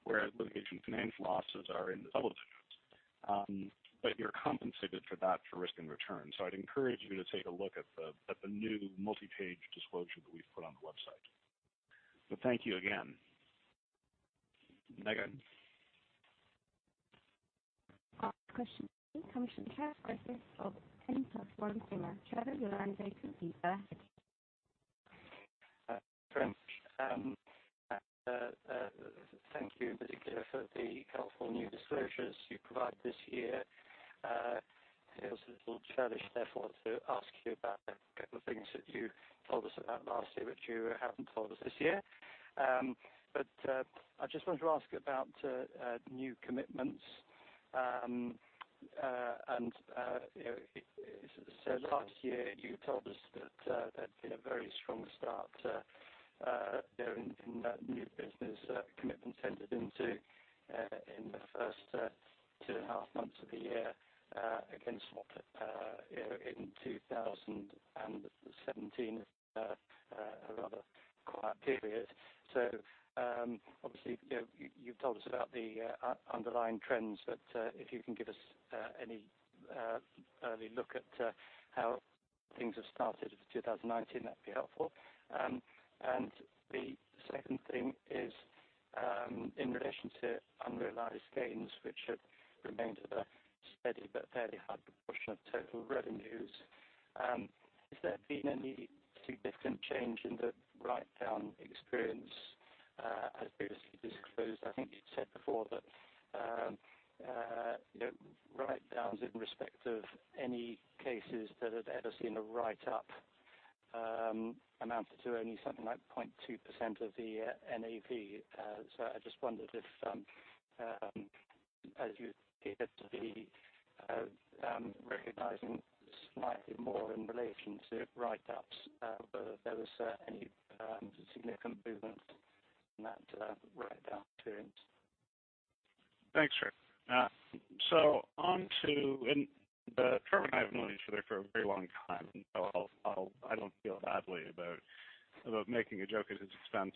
whereas litigation finance losses are in the double digits. You're compensated for that for risk and return. I'd encourage you to take a look at the new multi-page disclosure that we've put on the website. Thank you again. Megan. Our next question comes from Trevor Griffiths of N+1 Singer. Trevor, your line's open. You may ask your question. Thanks. Thank you in particular for the helpful new disclosures you provided this year. I feel it's a little churlish, therefore, to ask you about a couple of things that you told us about last year, which you haven't told us this year. I just wanted to ask about new commitments. Last year you told us that there'd been a very strong start in new business commitments entered into in the first two and a half months of the year against what in 2017 was a rather quiet period. Obviously, you've told us about the underlying trends, but if you can give us any early look at how things have started for 2019, that'd be helpful. The second thing is in relation to unrealized gains, which have remained at a steady but fairly high proportion of total revenues. Has there been any significant change in the write-down experience? As previously disclosed, I think you'd said before that write-downs in respect of any cases that had ever seen a write-up amounted to only something like 0.2% of the NAV. I just wondered if, as you did the recognizing slightly more in relation to write-ups, whether there was any significant movement in that write-down. Thanks, Trevor. Trevor and I have known each other for a very long time, I don't feel badly about making a joke at his expense,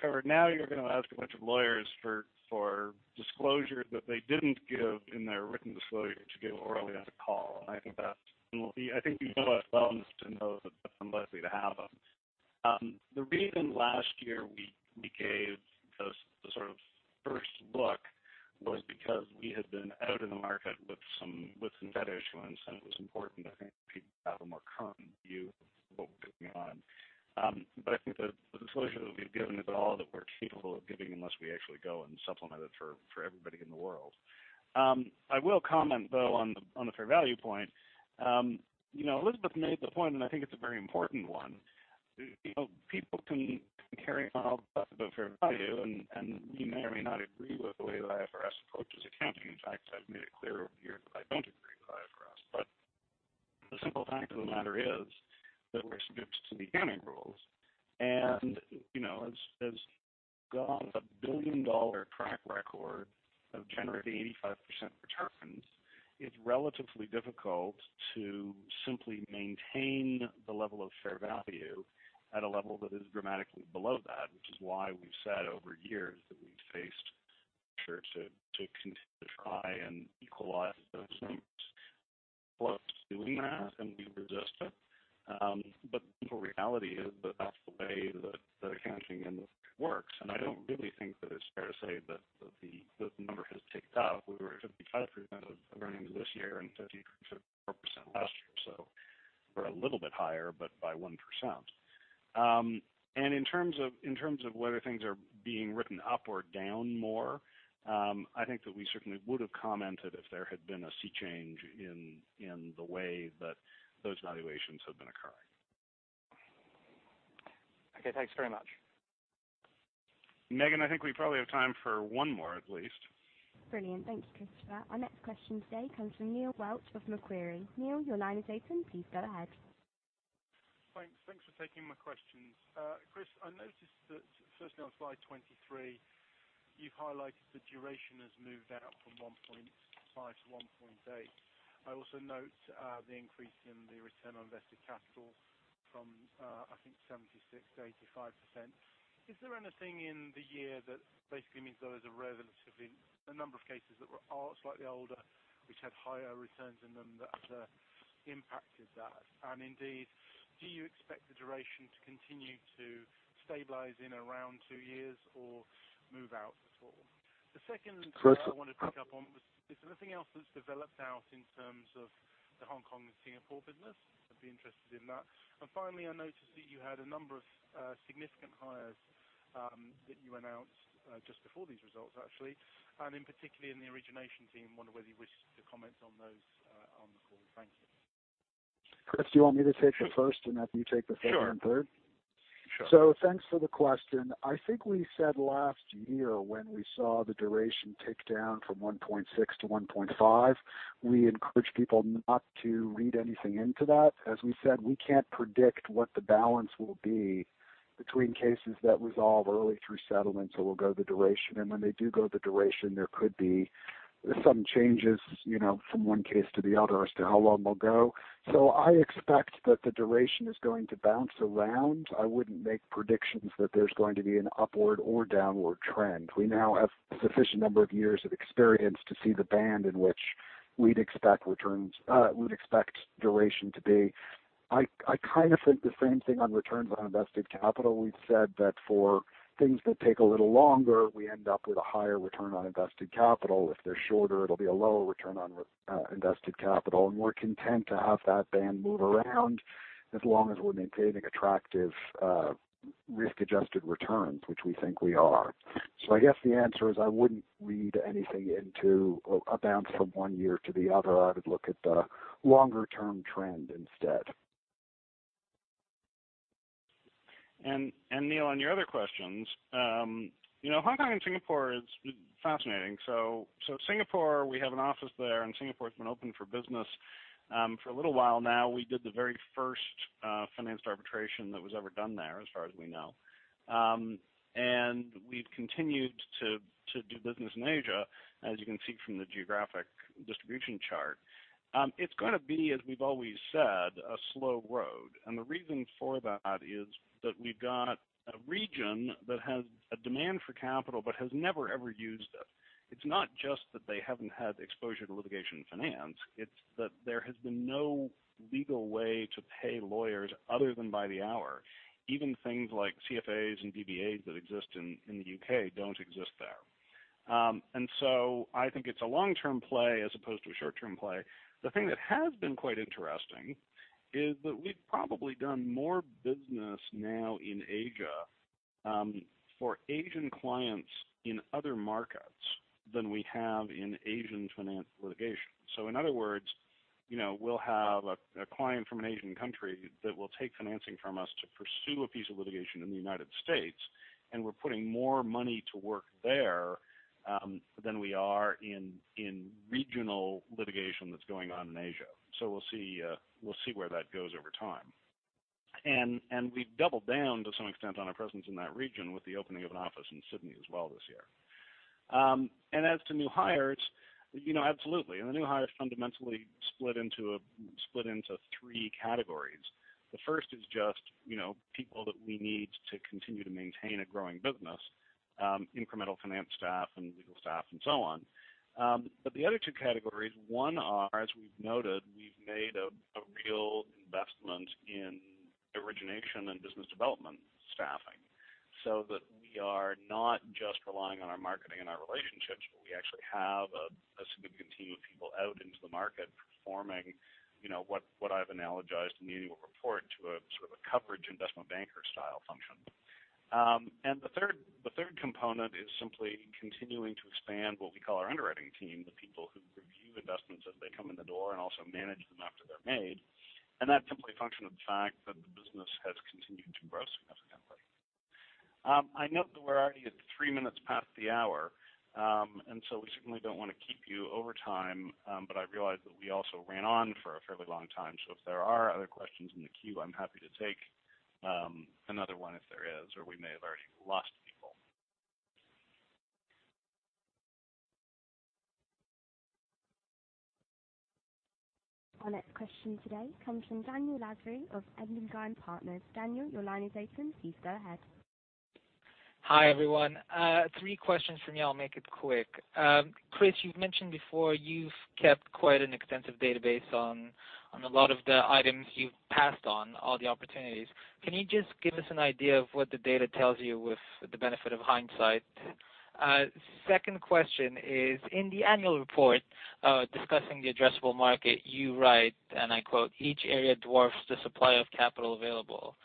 Trevor, now you're going to ask a bunch of lawyers for disclosure that they didn't give in their written disclosure to give orally on the call. I think we to have them. The reason last year we gave the sort of first look was because we had been out in the market with some debt issuance, it was important I think people have a more current view of what was going on. I think the disclosure that we've given is all that we're capable of giving unless we actually go and supplement it for everybody in the world. I will comment though, on the fair value point. Elizabeth made the point, I think it's a very important one. People can carry on about fair value and you may or may not agree with the way that IFRS approaches accounting. In fact, I've made it clear over the years that I don't agree with IFRS, the simple fact of the matter is that we're subject to the accounting rules and, as a billion-dollar track record of generating 85% returns, it's relatively difficult to simply maintain the level of fair value at a level that is dramatically below that, which is why we've said over years that we've faced pressure to continue to try and equalize those things. Burford's doing that and we resist it. The simple reality is that that's the way that accounting in this works, I don't really think that it's fair to say that the number has ticked up. We were at 55% of earnings this year and 54% last year, we're a little bit higher, by 1%. In terms of whether things are being written-up or -down more, I think that we certainly would've commented if there had been a sea change in the way that those valuations have been occurring. Okay. Thanks very much. Megan, I think we probably have time for one more at least. Brilliant. Thanks, Christopher. Our next question today comes from Neil Welch of Macquarie. Neil, your line is open. Please go ahead. Thanks for taking my questions. Chris, I noticed that firstly on slide 23, you've highlighted the duration has moved out from 1.5-1.8. I also note the increase in the return on invested capital from, I think 76%-85%. Is there anything in the year that basically means there was a relatively, a number of cases that were slightly older, which had higher returns in them that other impacted that? Indeed, do you expect the duration to continue to stabilize in around two years or move out at all? Chris? I wanted to pick up on was, is there anything else that's developed out in terms of the Hong Kong and Singapore business? I'd be interested in that. Finally, I noticed that you had a number of significant hires that you announced just before these results, actually, and in particular in the origination team. I wonder whether you wish to comment on those on the call. Thank you. Chris, do you want me to take the first and have you take the second and third? Sure. Thanks for the question. I think we said last year when we saw the duration tick down from 1.6 to 1.5, we encouraged people not to read anything into that. As we said, we can't predict what the balance will be between cases that resolve early through settlement, we'll go the duration. When they do go the duration, there could be some changes from one case to the other as to how long they'll go. I expect that the duration is going to bounce around. I wouldn't make predictions that there's going to be an upward or downward trend. We now have a sufficient number of years of experience to see the band in which we'd expect duration to be. I kind of think the same thing on returns on invested capital. We've said that for things that take a little longer, we end up with a higher return on invested capital. If they're shorter, it'll be a lower return on invested capital, and we're content to have that band move around as long as we're maintaining attractive risk-adjusted returns, which we think we are. I guess the answer is I wouldn't read anything into a bounce from one year to the other. I would look at the longer-term trend instead. Neil, on your other questions, Hong Kong and Singapore is fascinating. Singapore, we have an office there, and Singapore's been open for business for a little while now. We did the very first financed arbitration that was ever done there, as far as we know. We've continued to do business in Asia, as you can see from the geographic distribution chart. It's going to be, as we've always said, a slow road. The reason for that is that we've got a region that has a demand for capital but has never, ever used it. It's not just that they haven't had exposure to litigation finance, it's that there has been no legal way to pay lawyers other than by the hour. Even things like CFAs and DBAs that exist in the U.K. don't exist there. So I think it's a long-term play as opposed to a short-term play. The thing that has been quite interesting is that we've probably done more business now in Asia for Asian clients in other markets than we have in Asian litigation finance. In other words, we'll have a client from an Asian country that will take financing from us to pursue a piece of litigation in the U.S., and we're putting more money to work there than we are in regional litigation that's going on in Asia. We'll see where that goes over time. We've doubled down to some extent on our presence in that region with the opening of an office in Sydney as well this year. As to new hires, absolutely. The new hires fundamentally split into three categories. The first is just people that we need to continue to maintain a growing business, incremental finance staff, and legal staff, and so on. The other two categories, one are, as we've noted, we've made a real investment in origination and business development staffing so that we are not just relying on our marketing and our relationships, but we actually have a significant team of people out into the market performing what I've analogized in the annual report to a sort of a coverage investment banker style function. The third component is simply continuing to expand what we call our underwriting team, the people who review investments as they come in the door and also manage them after they're made. That's simply a function of the fact that the business has continued to grow significantly. I note that we're already at three minutes past the hour. We certainly don't want to keep you overtime. I realize that we also ran on for a fairly long time. If there are other questions in the queue, I'm happy to take another one if there is, or we may have already lost people. Our next question today comes from Daniel Lasry of Engadine Partners. Daniel, your line is open. Please go ahead. Hi, everyone. Three questions from me. I'll make it quick. Chris, you've mentioned before you've kept quite an extensive database on a lot of the items you've passed on, all the opportunities. Can you just give us an idea of what the data tells you with the benefit of hindsight? Second question is, in the annual report, discussing the addressable market, you write, and I quote, "Each area dwarfs the supply of capital available."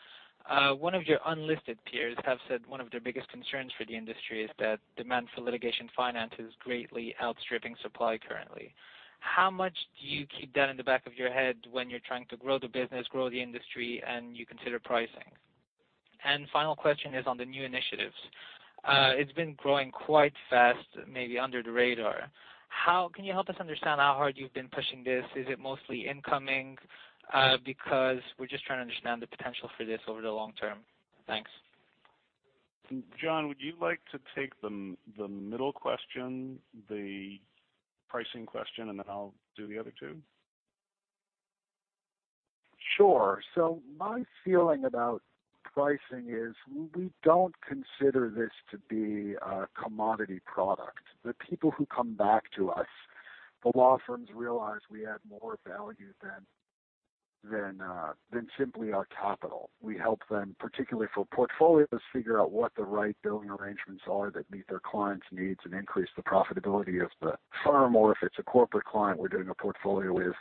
One of your unlisted peers have said one of their biggest concerns for the industry is that demand for litigation finance is greatly outstripping supply currently. How much do you keep that in the back of your head when you're trying to grow the business, grow the industry, and you consider pricing? Final question is on the new initiatives. It's been growing quite fast, maybe under the radar. Can you help us understand how hard you've been pushing this? Is it mostly incoming? Because we're just trying to understand the potential for this over the long term. Thanks. Jon, would you like to take the middle question, the pricing question, and then I'll do the other two? Sure. My feeling about pricing is we don't consider this to be a commodity product. The people who come back to us, the law firms realize we add more value than simply our capital. We help them, particularly for portfolios, figure out what the right billing arrangements are that meet their clients' needs and increase the profitability of the firm. Or if it's a corporate client we're doing a portfolio with,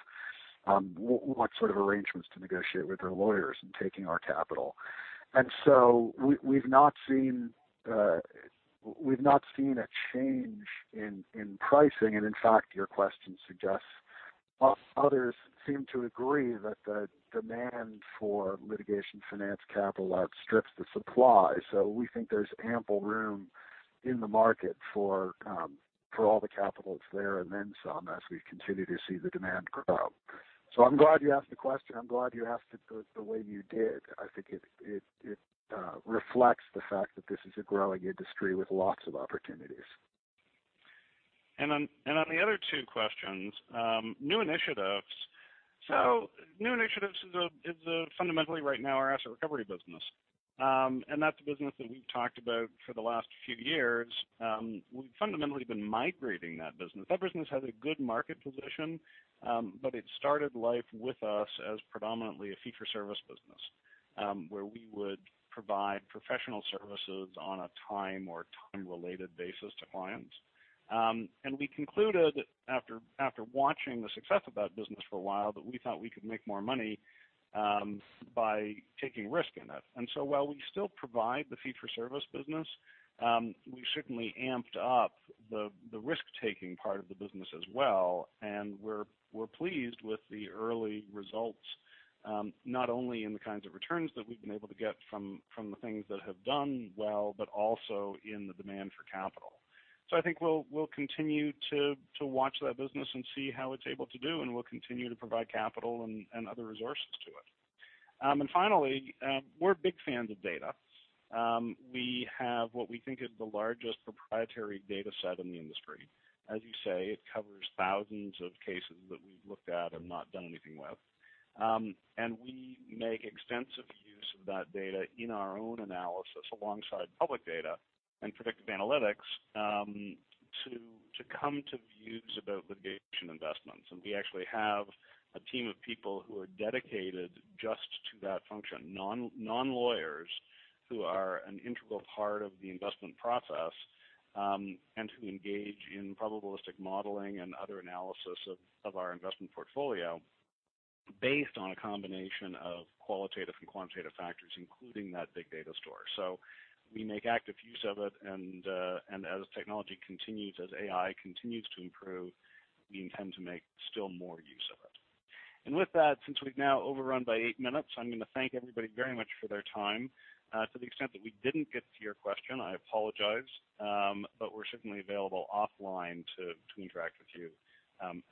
what sort of arrangements to negotiate with their lawyers in taking our capital. We've not seen a change in pricing. In fact, your question suggests others seem to agree that the demand for litigation finance capital outstrips the supply. We think there's ample room in the market for all the capital that's there, and then some, as we continue to see the demand grow. I'm glad you asked the question. I'm glad you asked it the way you did. I think it reflects the fact that this is a growing industry with lots of opportunities. On the other two questions, new initiatives. New initiatives is fundamentally right now our asset recovery business. That's a business that we've talked about for the last few years. We've fundamentally been migrating that business. That business has a good market position. It started life with us as predominantly a fee-for-service business, where we would provide professional services on a time or time-related basis to clients. We concluded after watching the success of that business for a while, that we thought we could make more money by taking risk in it. While we still provide the fee-for-service business, we've certainly amped up the risk-taking part of the business as well, and we're pleased with the early results, not only in the kinds of returns that we've been able to get from the things that have done well, but also in the demand for capital. I think we'll continue to watch that business and see how it's able to do, and we'll continue to provide capital and other resources to it. Finally, we're big fans of data. We have what we think is the largest proprietary data set in the industry. As you say, it covers thousands of cases that we've looked at and not done anything with. We make extensive use of that data in our own analysis alongside public data and predictive analytics, to come to views about litigation investments. We actually have a team of people who are dedicated just to that function. Non-lawyers who are an integral part of the investment process, and who engage in probabilistic modeling and other analysis of our investment portfolio based on a combination of qualitative and quantitative factors, including that big data store. We make active use of it, and as technology continues, as AI continues to improve, we intend to make still more use of it. With that, since we've now overrun by eight minutes, I'm going to thank everybody very much for their time. To the extent that we didn't get to your question, I apologize. We're certainly available offline to interact with you,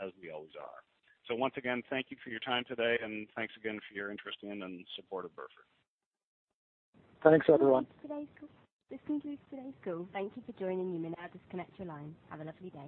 as we always are. Once again, thank you for your time today, and thanks again for your interest in and support of Burford. Thanks, everyone. This concludes today's call. Thank you for joining. You may now disconnect your line. Have a lovely day.